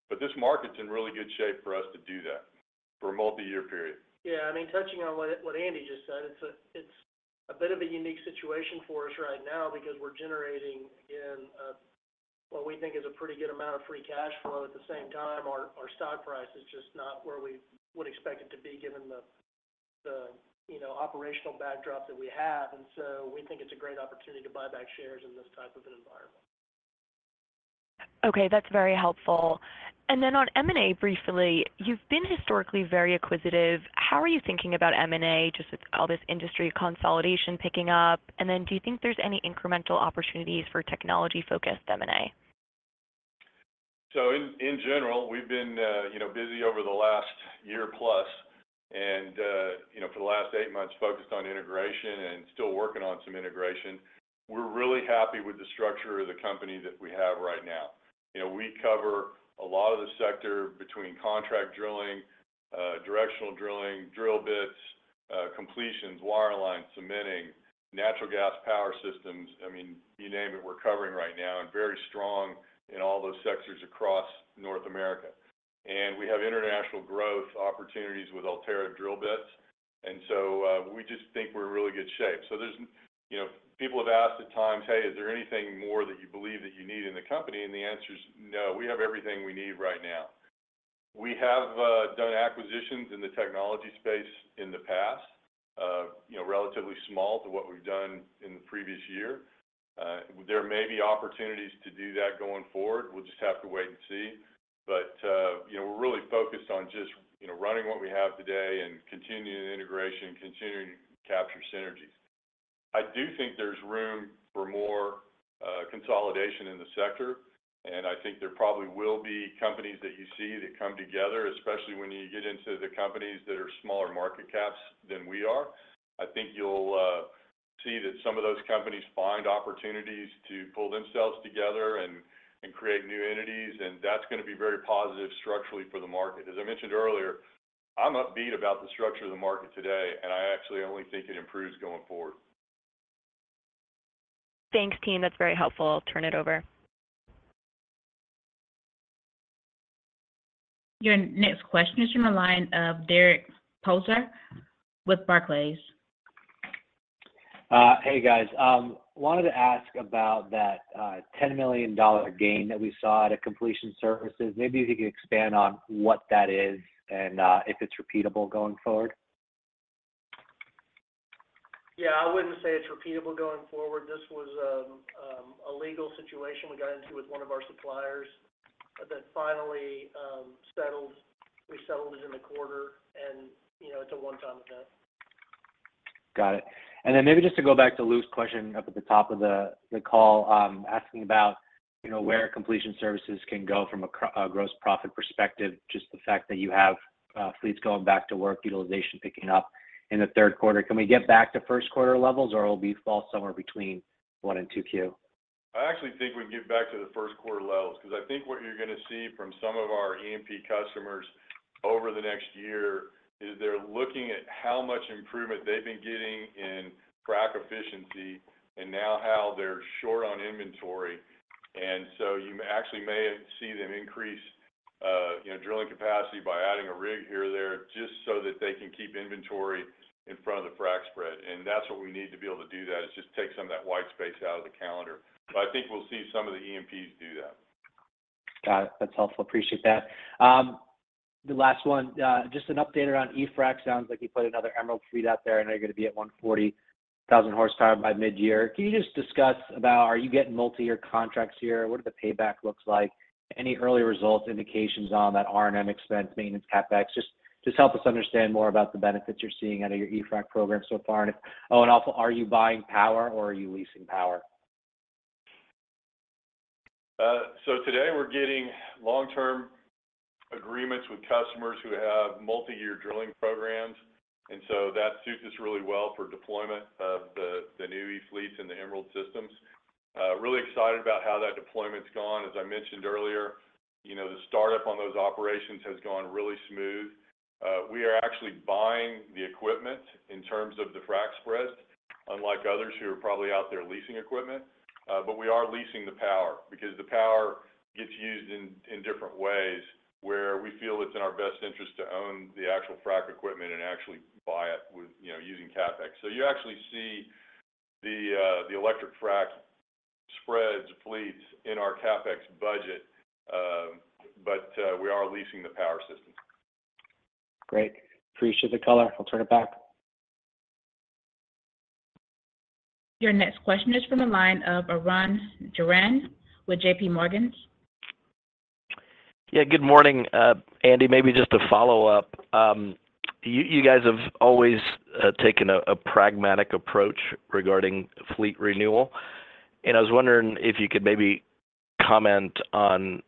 Speaker 3: but this market's in really good shape for us to do that for a multiyear period.
Speaker 4: Yeah, I mean, touching on what Andy just said, it's a bit of a unique situation for us right now because we're generating what we think is a pretty good amount of free cash flow. At the same time, our stock price is just not where we would expect it to be, given the, you know, operational backdrop that we have. And so we think it's a great opportunity to buy back shares in this type of an environment.
Speaker 8: Okay, that's very helpful. And then on M&A, briefly, you've been historically very acquisitive. How are you thinking about M&A, just with all this industry consolidation picking up? And then do you think there's any incremental opportunities for technology-focused M&A?
Speaker 3: So in general, we've been, you know, busy over the last year plus, and, you know, for the last 8 months, focused on integration and still working on some integration. We're really happy with the structure of the company that we have right now. You know, we cover a lot of the sector between contract drilling, directional drilling, drill bits, completions, wireline, cementing, natural gas power systems. I mean, you name it, we're covering right now, and very strong in all those sectors across North America. And we have international growth opportunities with Ulterra Drill Bits, and so, we just think we're in really good shape. So there's, you know, people have asked at times, "Hey, is there anything more that you believe that you need in the company?" And the answer is no. We have everything we need right now. We have done acquisitions in the technology space in the past, you know, relatively small to what we've done in the previous year. There may be opportunities to do that going forward. We'll just have to wait and see. But, you know, we're really focused on just, you know, running what we have today and continuing integration, continuing to capture synergies. I do think there's room for more, consolidation in the sector, and I think there probably will be companies that you see that come together, especially when you get into the companies that are smaller market caps than we are. I think you'll see that some of those companies find opportunities to pull themselves together and, and create new entities, and that's gonna be very positive structurally for the market. As I mentioned earlier, I'm upbeat about the structure of the market today, and I actually only think it improves going forward.
Speaker 8: Thanks, team. That's very helpful. I'll turn it over.
Speaker 1: Your next question is from the line of Derek Podhaizer with Barclays.
Speaker 9: Hey, guys. Wanted to ask about that $10 million gain that we saw at a completion services. Maybe if you could expand on what that is and if it's repeatable going forward?
Speaker 4: Yeah, I wouldn't say it's repeatable going forward. This was a legal situation we got into with one of our suppliers that finally settled. We settled it in the quarter and, you know, it's a one-time event.
Speaker 9: Got it. And then maybe just to go back to Lou's question up at the top of the call, asking about, you know, where completion services can go from a gross profit perspective, just the fact that you have fleets going back to work, utilization picking up in the Q3. Can we get back to Q1 levels, or it'll fall somewhere between one and two Q?
Speaker 3: I actually think we can get back to the Q1 levels, 'cause I think what you're gonna see from some of our E&P customers over the next year is they're looking at how much improvement they've been getting in frac efficiency, and now how they're short on inventory. And so you actually may see them increase, you know, drilling capacity by adding a rig here or there, just so that they can keep inventory in front of the frac spread. And that's what we need to be able to do that, is just take some of that white space out of the calendar. But I think we'll see some of the E&Ps do that.
Speaker 9: Got it. That's helpful. Appreciate that. The last one, just an update around eFrac. Sounds like you put another Emerald fleet out there, and you're gonna be at 140,000 horsepower by midyear. Can you just discuss about, are you getting multiyear contracts here? What are the payback looks like? Any early results, indications on that R&M expense, maintenance, CapEx? Just, just help us understand more about the benefits you're seeing out of your eFrac program so far. And also, are you buying power or are you leasing power?
Speaker 3: So today we're getting long-term agreements with customers who have multiyear drilling programs, and so that suits us really well for deployment of the, the new E fleets and the Emerald systems. Really excited about how that deployment's gone. As I mentioned earlier, you know, the startup on those operations has gone really smooth. We are actually buying the equipment in terms of the frac spread, unlike others who are probably out there leasing equipment. But we are leasing the power, because the power gets used in, in different ways, where we feel it's in our best interest to own the actual frac equipment and actually buy it with, you know, using CapEx. So you actually see the, the electric frac spreads fleets in our CapEx budget, but we are leasing the power system.
Speaker 9: Great. Appreciate the color. I'll turn it back.
Speaker 1: Your next question is from the line of Arun Jayaram with J.P. Morgan.
Speaker 10: Yeah, good morning. Andy, maybe just to follow up. You, you guys have always taken a pragmatic approach regarding fleet renewal, and I was wondering if you could maybe comment on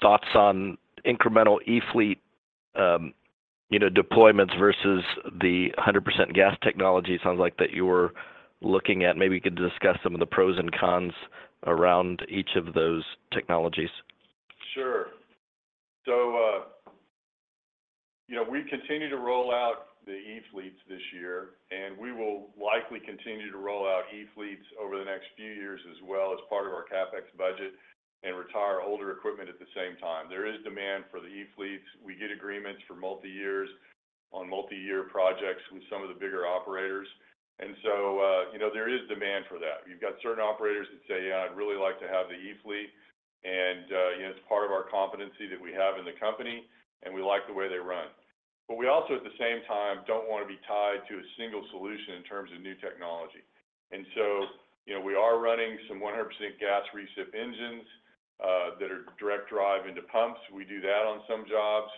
Speaker 10: thoughts on incremental E fleet, you know, deployments versus the 100% gas technology. Sounds like that you were looking at. Maybe you could discuss some of the pros and cons around each of those technologies.
Speaker 3: Sure. So, you know, we continue to roll out the E fleets this year, and we will likely continue to roll out E fleets over the next few years as well as part of our CapEx budget and retire older equipment at the same time. There is demand for the E fleets. We get agreements for multi-year projects with some of the bigger operators. And so, you know, there is demand for that. You've got certain operators that say, "Yeah, I'd really like to have the E-fleet, and, you know, it's part of our competency that we have in the company, and we like the way they run. But we also, at the same time, don't wanna be tied to a single solution in terms of new technology. And so, you know, we are running some 100% gas recip engines that are direct drive into pumps. We do that on some jobs.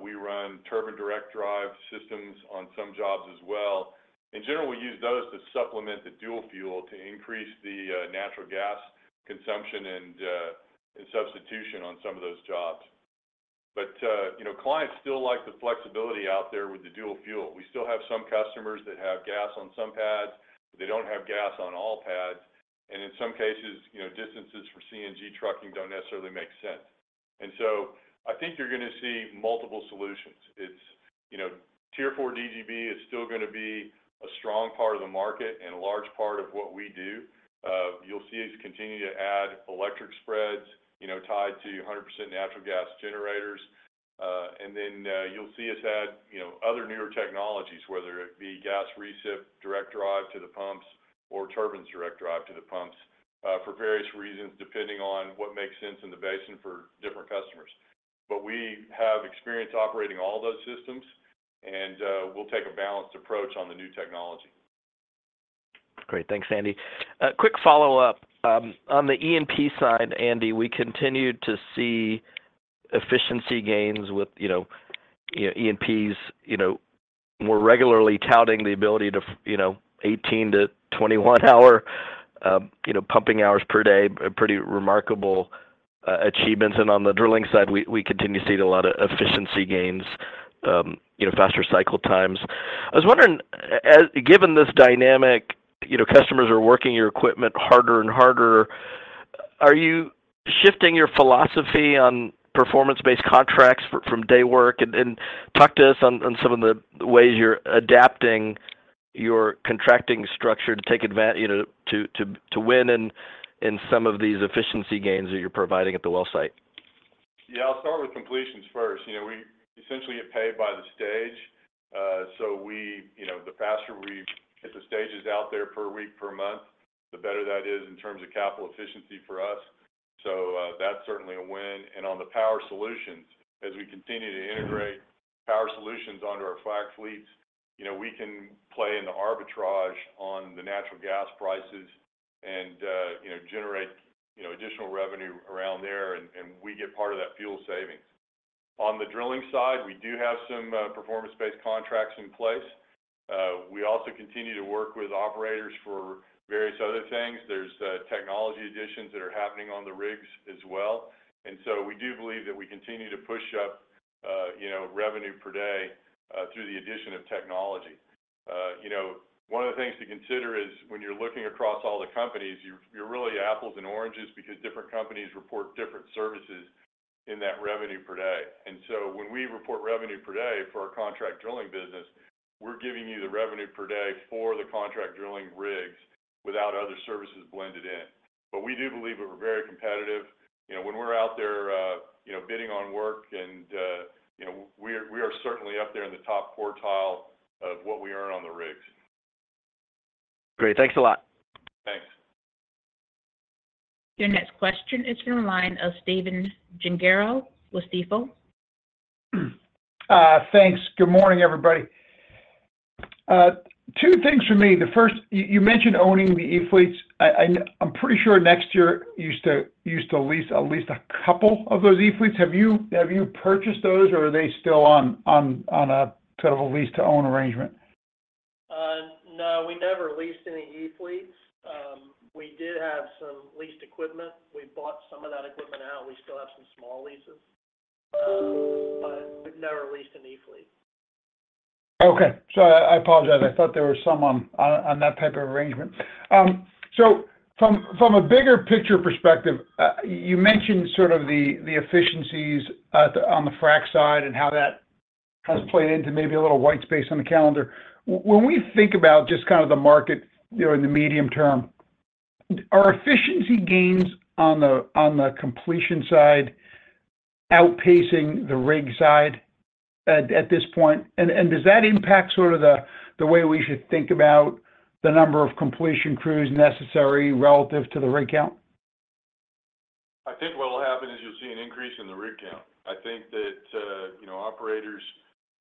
Speaker 3: We run turbine direct drive systems on some jobs as well. In general, we use those to supplement the dual fuel to increase the natural gas consumption and substitution on some of those jobs. But you know, clients still like the flexibility out there with the dual fuel. We still have some customers that have gas on some pads, but they don't have gas on all pads, and in some cases, you know, distances for CNG trucking don't necessarily make sense. And so I think you're gonna see multiple solutions. It's, you know, Tier 4 DGB is still gonna be a strong part of the market and a large part of what we do. You'll see us continue to add electric spreads, you know, tied to 100% natural gas generators. And then, you'll see us add, you know, other newer technologies, whether it be gas recip, direct drive to the pumps, or turbines direct drive to the pumps, for various reasons, depending on what makes sense in the basin for different customers. But we have experience operating all those systems, and, we'll take a balanced approach on the new technology.
Speaker 10: Great. Thanks, Andy. A quick follow-up. On the E&P side, Andy, we continued to see efficiency gains with, you know, E&Ps, you know, we're regularly touting the ability to, you know, 18-21 hour pumping hours per day, a pretty remarkable achievements. And on the drilling side, we continue to see a lot of efficiency gains, you know, faster cycle times. I was wondering, given this dynamic, you know, customers are working your equipment harder and harder, are you shifting your philosophy on performance-based contracts from day work? And talk to us on some of the ways you're adapting your contracting structure to take you know, to win in some of these efficiency gains that you're providing at the well site.
Speaker 3: Yeah, I'll start with completions first. You know, we essentially get paid by the stage, so we, you know, the faster we get the stages out there per week, per month, the better that is in terms of capital efficiency for us. So, that's certainly a win. And on the Power Solutions, as we continue to integrate Power Solutions onto our frac fleets, you know, we can play in the arbitrage on the natural gas prices and, you know, generate, you know, additional revenue around there, and, and we get part of that fuel savings. On the drilling side, we do have some performance-based contracts in place. We also continue to work with operators for various other things. There's technology additions that are happening on the rigs as well, and so we do believe that we continue to push up, you know, revenue per day, through the addition of technology. You know, one of the things to consider is when you're looking across all the companies, you're really apples and oranges because different companies report different services in that revenue per day. And so when we report revenue per day for our contract drilling business, we're giving you the revenue per day for the contract drilling rigs without other services blended in. But we do believe we're very competitive. You know, when we're out there, you know, bidding on work, and, you know, we are certainly up there in the top quartile of what we earn on the rigs.
Speaker 10: Great. Thanks a lot.
Speaker 3: Thanks.
Speaker 1: Your next question is from the line of Stephen Gengaro with Stifel.
Speaker 11: Thanks. Good morning, everybody. Two things for me. The first, you mentioned owning the E-fleets. I'm pretty sure next year, you used to lease at least a couple of those E-fleets. Have you purchased those, or are they still on a sort of a lease-to-own arrangement?
Speaker 4: No, we never leased any E-fleets. We did have some leased equipment. We bought some of that equipment out. We still have some small leases, but we've never leased an E-fleet.
Speaker 11: Okay. So I apologize. I thought there were some on that type of arrangement. So from a bigger picture perspective, you mentioned sort of the efficiencies on the frac side and how that has played into maybe a little white space on the calendar. When we think about just kind of the market, you know, in the medium term, are efficiency gains on the completion side outpacing the rig side at this point? And does that impact sort of the way we should think about the number of completion crews necessary relative to the rig count?
Speaker 3: I think what will happen is you'll see an increase in the rig count. I think that, you know, operators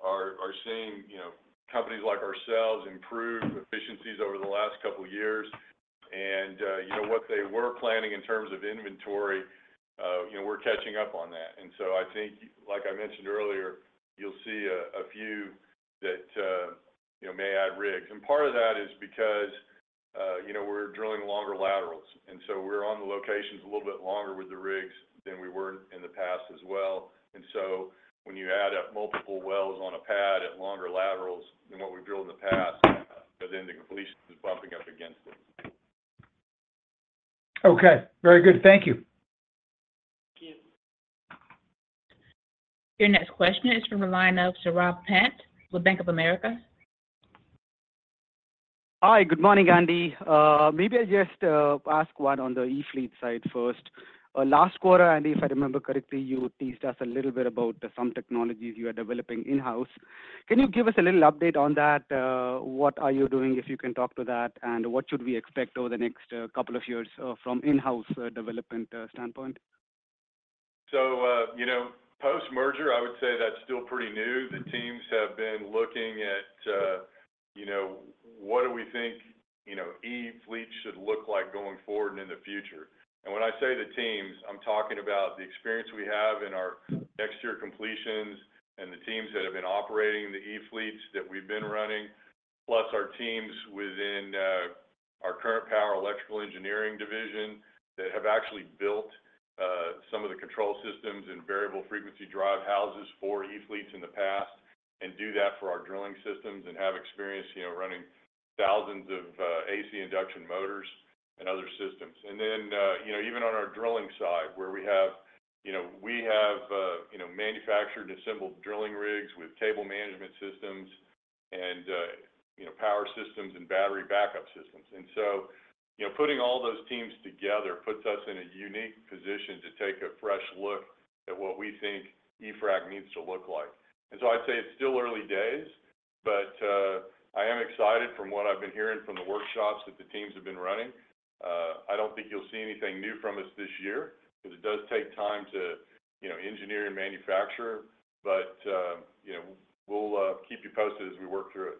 Speaker 3: are seeing, you know, companies like ourselves improve efficiencies over the last couple of years. And, you know, what they were planning in terms of inventory, you know, we're catching up on that. And so I think, like I mentioned earlier, you'll see a few that, you know, may add rigs. And part of that is because, you know, we're drilling longer laterals, and so we're on the locations a little bit longer with the rigs than we were in the past as well. And so when you add up multiple wells on a pad at longer laterals than what we drilled in the past, but then the completion is bumping up against it.
Speaker 11: Okay. Very good. Thank you.
Speaker 3: Thank you.
Speaker 1: Your next question is from the line of Saurabh Pant with Bank of America....
Speaker 12: Hi, good morning, Andy. Maybe I'll just ask one on the e-fleet side first. Last quarter, Andy, if I remember correctly, you teased us a little bit about some technologies you are developing in-house. Can you give us a little update on that? What are you doing, if you can talk to that, and what should we expect over the next couple of years from in-house development standpoint?
Speaker 3: So, you know, post-merger, I would say that's still pretty new. The teams have been looking at, you know, what do we think, you know, e-fleet should look like going forward and in the future. And when I say the teams, I'm talking about the experience we have in our NexTier completions and the teams that have been operating the e-fleets that we've been running, plus our teams within our current power electrical engineering division that have actually built some of the control systems and variable frequency drive houses for e-fleets in the past, and do that for our drilling systems, and have experience, you know, running .s of AC induction motors and other systems. And then, you know, even on our drilling side, where we have, you know, manufactured and assembled drilling rigs with table management systems and, you know, power systems and battery backup systems. And so, you know, putting all those teams together puts us in a unique position to take a fresh look at what we think eFrac needs to look like. And so I'd say it's still early days, but I am excited from what I've been hearing from the workshops that the teams have been running. I don't think you'll see anything new from us this year, 'cause it does take time to, you know, engineer and manufacture. But, you know, we'll keep you posted as we work through it.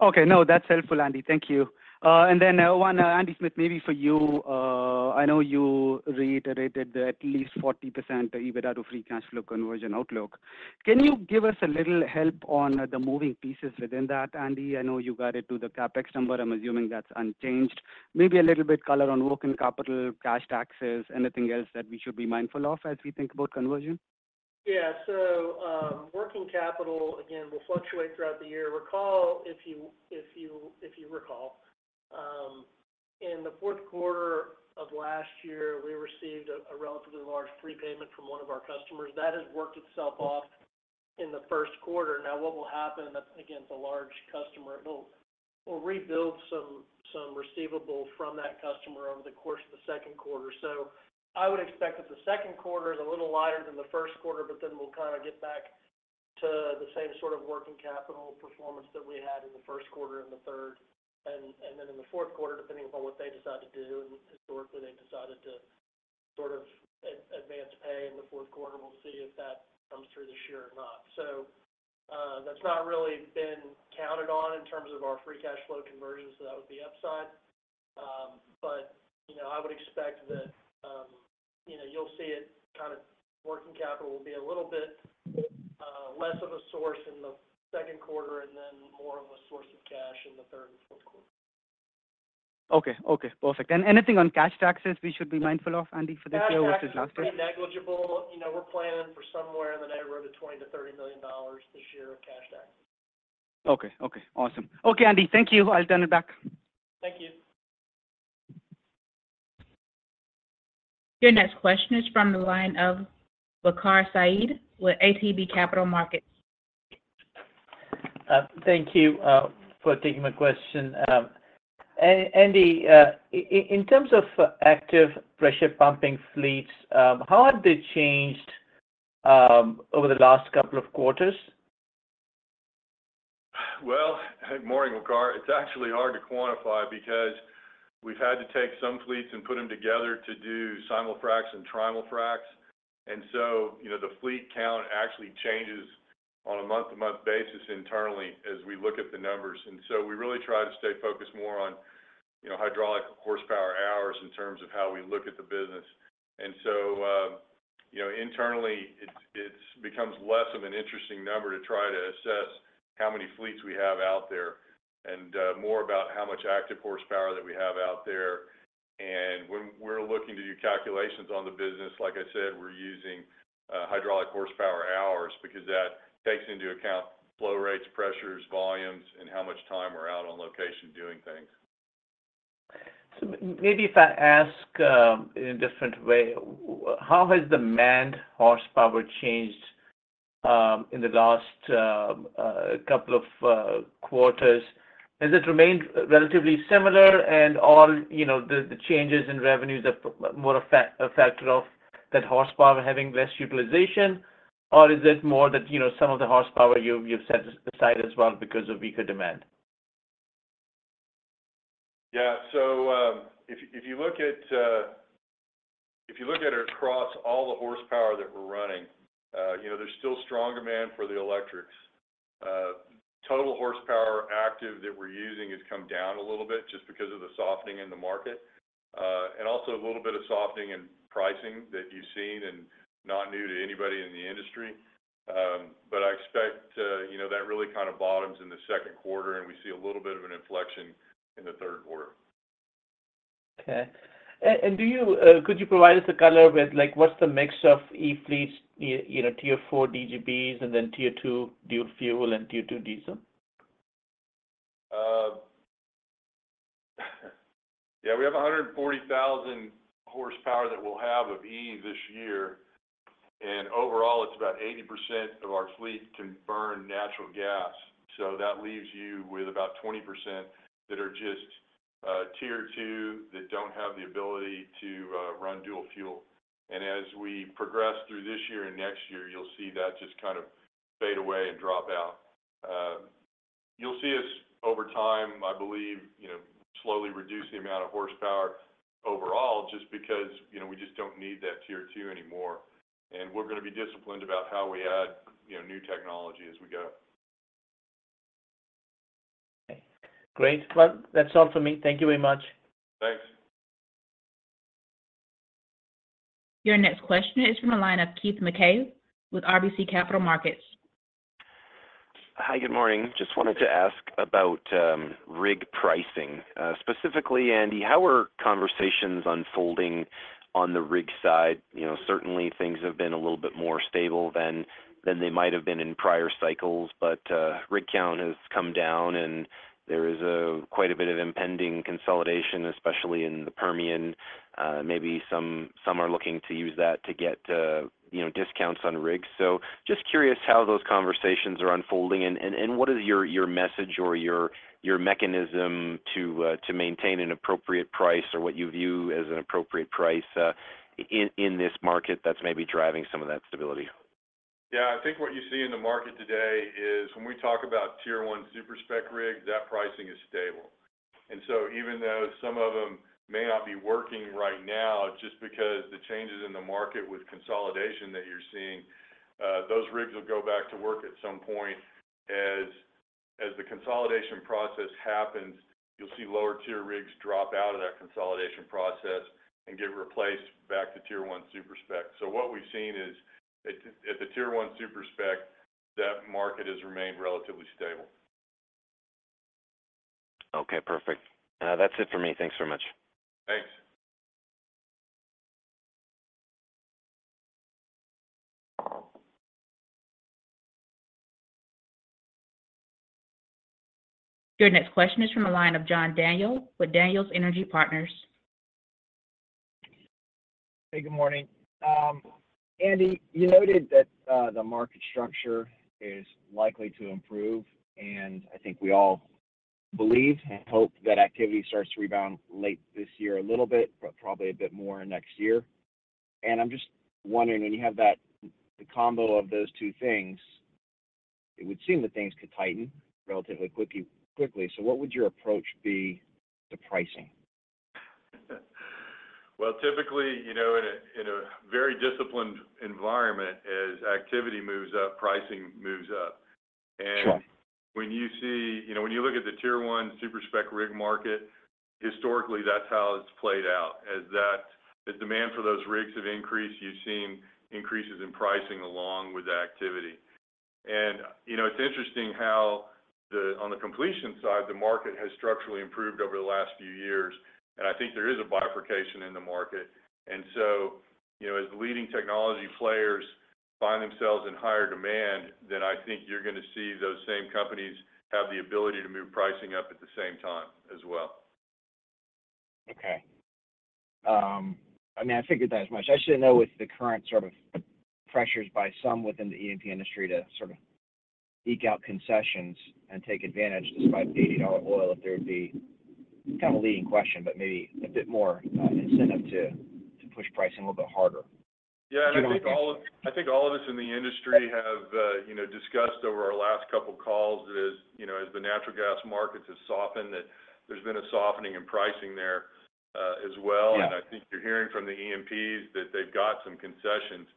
Speaker 12: Okay. No, that's helpful, Andy. Thank you. And then, one, Andy Smith, maybe for you. I know you reiterated that at least 40% EBITDA to free cash flow conversion outlook. Can you give us a little help on the moving pieces within that, Andy? I know you got it to the CapEx number. I'm assuming that's unchanged. Maybe a little bit color on working capital, cash taxes, anything else that we should be mindful of as we think about conversion?
Speaker 4: Yeah. So, working capital, again, will fluctuate throughout the year. Recall, if you recall, in the Q4 of last year, we received a relatively large prepayment from one of our customers. That has worked itself off in the Q1. Now, what will happen, that's again, it's a large customer, it will, we'll rebuild some receivable from that customer over the course of the Q2. So I would expect that the Q2 is a little lighter than the Q1, but then we'll kind of get back to the same sort of working capital performance that we had in the Q1 and the third. And then in the Q4, depending upon what they decide to do, and historically, they've decided to sort of advance pay in the Q4. We'll see if that comes through this year or not. So, that's not really been counted on in terms of our free cash flow conversion, so that would be upside. But, you know, I would expect that, you know, you'll see it kind of working capital will be a little bit less of a source in the Q2, and then more of a source of cash in the third and Q4.
Speaker 12: Okay. Okay, perfect. And anything on cash taxes we should be mindful of, Andy, for this year versus last year?
Speaker 4: Cash tax is pretty negligible. You know, we're planning for somewhere in the neighborhood of $20 million-$30 million this year of cash tax.
Speaker 12: Okay. Okay, awesome. Okay, Andy, thank you. I'll turn it back.
Speaker 4: Thank you.
Speaker 1: Your next question is from the line of Waqar Syed with ATB Capital Markets.
Speaker 13: Thank you for taking my question. Andy, in terms of active pressure pumping fleets, how have they changed over the last couple of quarters?
Speaker 3: Well, morning, Waqar. It's actually hard to quantify because we've had to take some fleets and put them together to do Simul-Fracs and Trimul-Fracs. And so, you know, the fleet count actually changes on a month-to-month basis internally as we look at the numbers. And so we really try to stay focused more on, you know, hydraulic horsepower hours in terms of how we look at the business. And so, you know, internally, it becomes less of an interesting number to try to assess how many fleets we have out there, and more about how much active horsepower that we have out there. And when we're looking to do calculations on the business, like I said, we're using hydraulic horsepower hours, because that takes into account flow rates, pressures, volumes, and how much time we're out on location doing things.
Speaker 13: So maybe if I ask in a different way, how has the manned horsepower changed in the last couple of quarters? Has it remained relatively similar and all, you know, the changes in revenues are more a factor of that horsepower having less utilization? Or is it more that, you know, some of the horsepower you've set aside as well because of weaker demand?
Speaker 3: Yeah. So, if you look at it across all the horsepower that we're running, you know, there's still strong demand for the electrics. Total horsepower active that we're using has come down a little bit, just because of the softening in the market. And also a little bit of softening in pricing that you've seen and not new to anybody in the industry. But I expect, you know, that really kind of bottoms in the Q2, and we see a little bit of an inflection in the Q3.
Speaker 13: Okay. And do you... Could you provide us a color with, like, what's the mix of e-fleets, you know, Tier 4 DGBs, and then Tier 2 dual fuel and Tier 2 diesel?...
Speaker 3: Yeah, we have 140,000 horsepower that we'll have of E this year, and overall, it's about 80% of our fleet can burn natural gas. So that leaves you with about 20% that are just Tier 2, that don't have the ability to run dual fuel. And as we progress through this year and next year, you'll see that just kind of fade away and drop out. You'll see us, over time, I believe, you know, slowly reduce the amount of horsepower overall, just because, you know, we just don't need that Tier 2 anymore. And we're gonna be disciplined about how we add, you know, new technology as we go.
Speaker 13: Okay, great. Well, that's all for me. Thank you very much.
Speaker 3: Thanks.
Speaker 1: Your next question is from the line of Keith Mackey with RBC Capital Markets.
Speaker 14: Hi, good morning. Just wanted to ask about rig pricing. Specifically, Andy, how are conversations unfolding on the rig side? You know, certainly things have been a little bit more stable than they might have been in prior cycles, but rig count has come down, and there is quite a bit of impending consolidation, especially in the Permian. Maybe some are looking to use that to get you know, discounts on rigs. So just curious how those conversations are unfolding, and what is your message or your mechanism to maintain an appropriate price or what you view as an appropriate price in this market that's maybe driving some of that stability?
Speaker 3: Yeah, I think what you see in the market today is when we talk about Tier 1 super-spec rigs, that pricing is stable. So even though some of them may not be working right now, just because the changes in the market with consolidation that you're seeing, those rigs will go back to work at some point. As the consolidation process happens, you'll see lower-tier rigs drop out of that consolidation process and get replaced back to Tier 1 super-spec. So what we've seen is at the Tier 1 super-spec, that market has remained relatively stable.
Speaker 14: Okay, perfect. That's it for me. Thanks so much.
Speaker 3: Thanks.
Speaker 1: Your next question is from the line of John Daniel with Daniel Energy Partners.
Speaker 15: Hey, good morning. Andy, you noted that the market structure is likely to improve, and I think we all believe and hope that activity starts to rebound late this year a little bit, but probably a bit more next year. I'm just wondering, when you have that, the combo of those two things, it would seem that things could tighten relatively quickly. So what would your approach be to pricing?
Speaker 3: Well, typically, you know, in a very disciplined environment, as activity moves up, pricing moves up.
Speaker 15: Sure.
Speaker 3: When you see... You know, when you look at the Tier 1 super-spec rig market, historically, that's how it's played out. As that, the demand for those rigs have increased, you've seen increases in pricing along with activity. And, you know, it's interesting how the, on the completion side, the market has structurally improved over the last few years, and I think there is a bifurcation in the market. And so, you know, as leading technology players find themselves in higher demand, then I think you're gonna see those same companies have the ability to move pricing up at the same time as well.
Speaker 15: Okay. I mean, I figured that as much. I just didn't know with the current sort of pressures by some within the E&P industry to sort of eke out concessions and take advantage despite $80 oil, if there would be kind of a leading question, but maybe a bit more incentive to push pricing a little bit harder.
Speaker 3: Yeah.
Speaker 15: Do you want-
Speaker 3: I think all of us in the industry have, you know, discussed over our last couple of calls is, you know, as the natural gas markets have softened, that there's been a softening in pricing there, as well.
Speaker 15: Yeah.
Speaker 3: I think you're hearing from the E&Ps that they've got some concessions.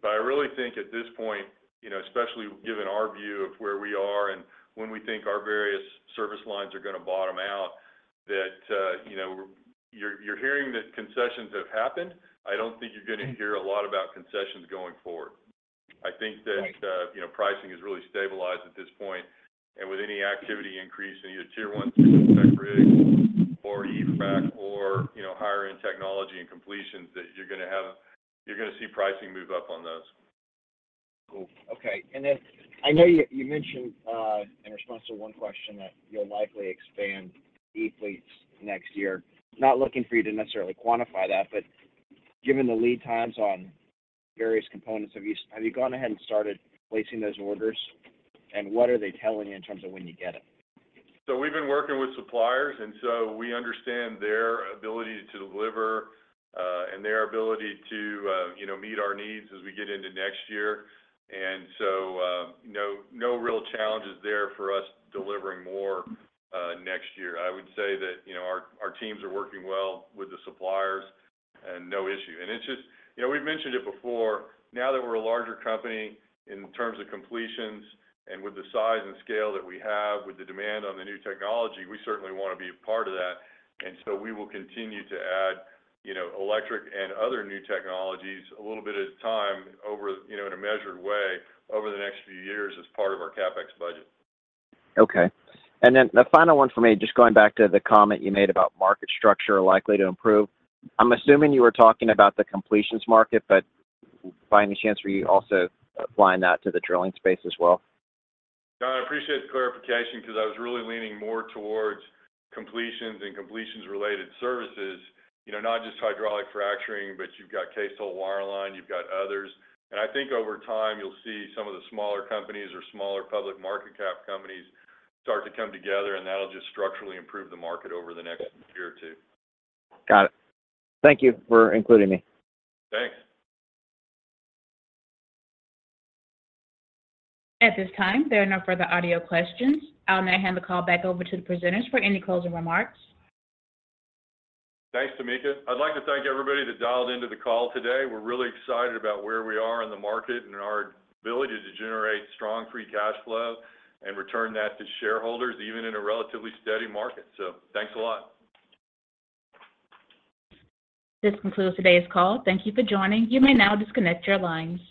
Speaker 3: But I really think at this point, you know, especially given our view of where we are and when we think our various service lines are gonna bottom out, that, you know, you're, you're hearing that concessions have happened. I don't think you're gonna hear a lot about concessions going forward.
Speaker 15: Right.
Speaker 3: I think that, you know, pricing is really stabilized at this point, and with any activity increase in your Tier 1 super-spec rig or e-frac, or, you know, higher-end technology and completions, that you're gonna see pricing move up on those.
Speaker 15: Cool. Okay, and then I know you, you mentioned, in response to one question, that you'll likely expand the E fleets next year. Not looking for you to necessarily quantify that, but given the lead times on various components, have you, have you gone ahead and started placing those orders? And what are they telling you in terms of when you get them?
Speaker 3: So we've been working with suppliers, and so we understand their ability to deliver, and their ability to, you know, meet our needs as we get into next year. And so, no, no real challenges there for us delivering more, next year. I would say that, you know, our, our teams are working well with the suppliers and no issue. And it's just... You know, we've mentioned it before, now that we're a larger company in terms of completions and with the size and scale that we have, with the demand on the new technology, we certainly want to be a part of that. And so we will continue to add, you know, electric and other new technologies a little bit at a time, over, you know, in a measured way, over the next few years as part of our CapEx budget.
Speaker 15: Okay. And then the final one for me, just going back to the comment you made about market structure likely to improve. I'm assuming you were talking about the completions market, but by any chance, were you also applying that to the drilling space as well?
Speaker 3: John, I appreciate the clarification because I was really leaning more towards completions and completions-related services, you know, not just hydraulic fracturing, but you've got cased-hole wireline, you've got others. I think over time, you'll see some of the smaller companies or smaller public market cap companies start to come together, and that'll just structurally improve the market over the next year or two.
Speaker 15: Got it. Thank you for including me.
Speaker 3: Thanks.
Speaker 1: At this time, there are no further audio questions. I'll now hand the call back over to the presenters for any closing remarks.
Speaker 3: Thanks, Tamika. I'd like to thank everybody that dialed into the call today. We're really excited about where we are in the market and our ability to generate strong free cash flow and return that to shareholders, even in a relatively steady market. So thanks a lot.
Speaker 1: This concludes today's call. Thank you for joining. You may now disconnect your lines.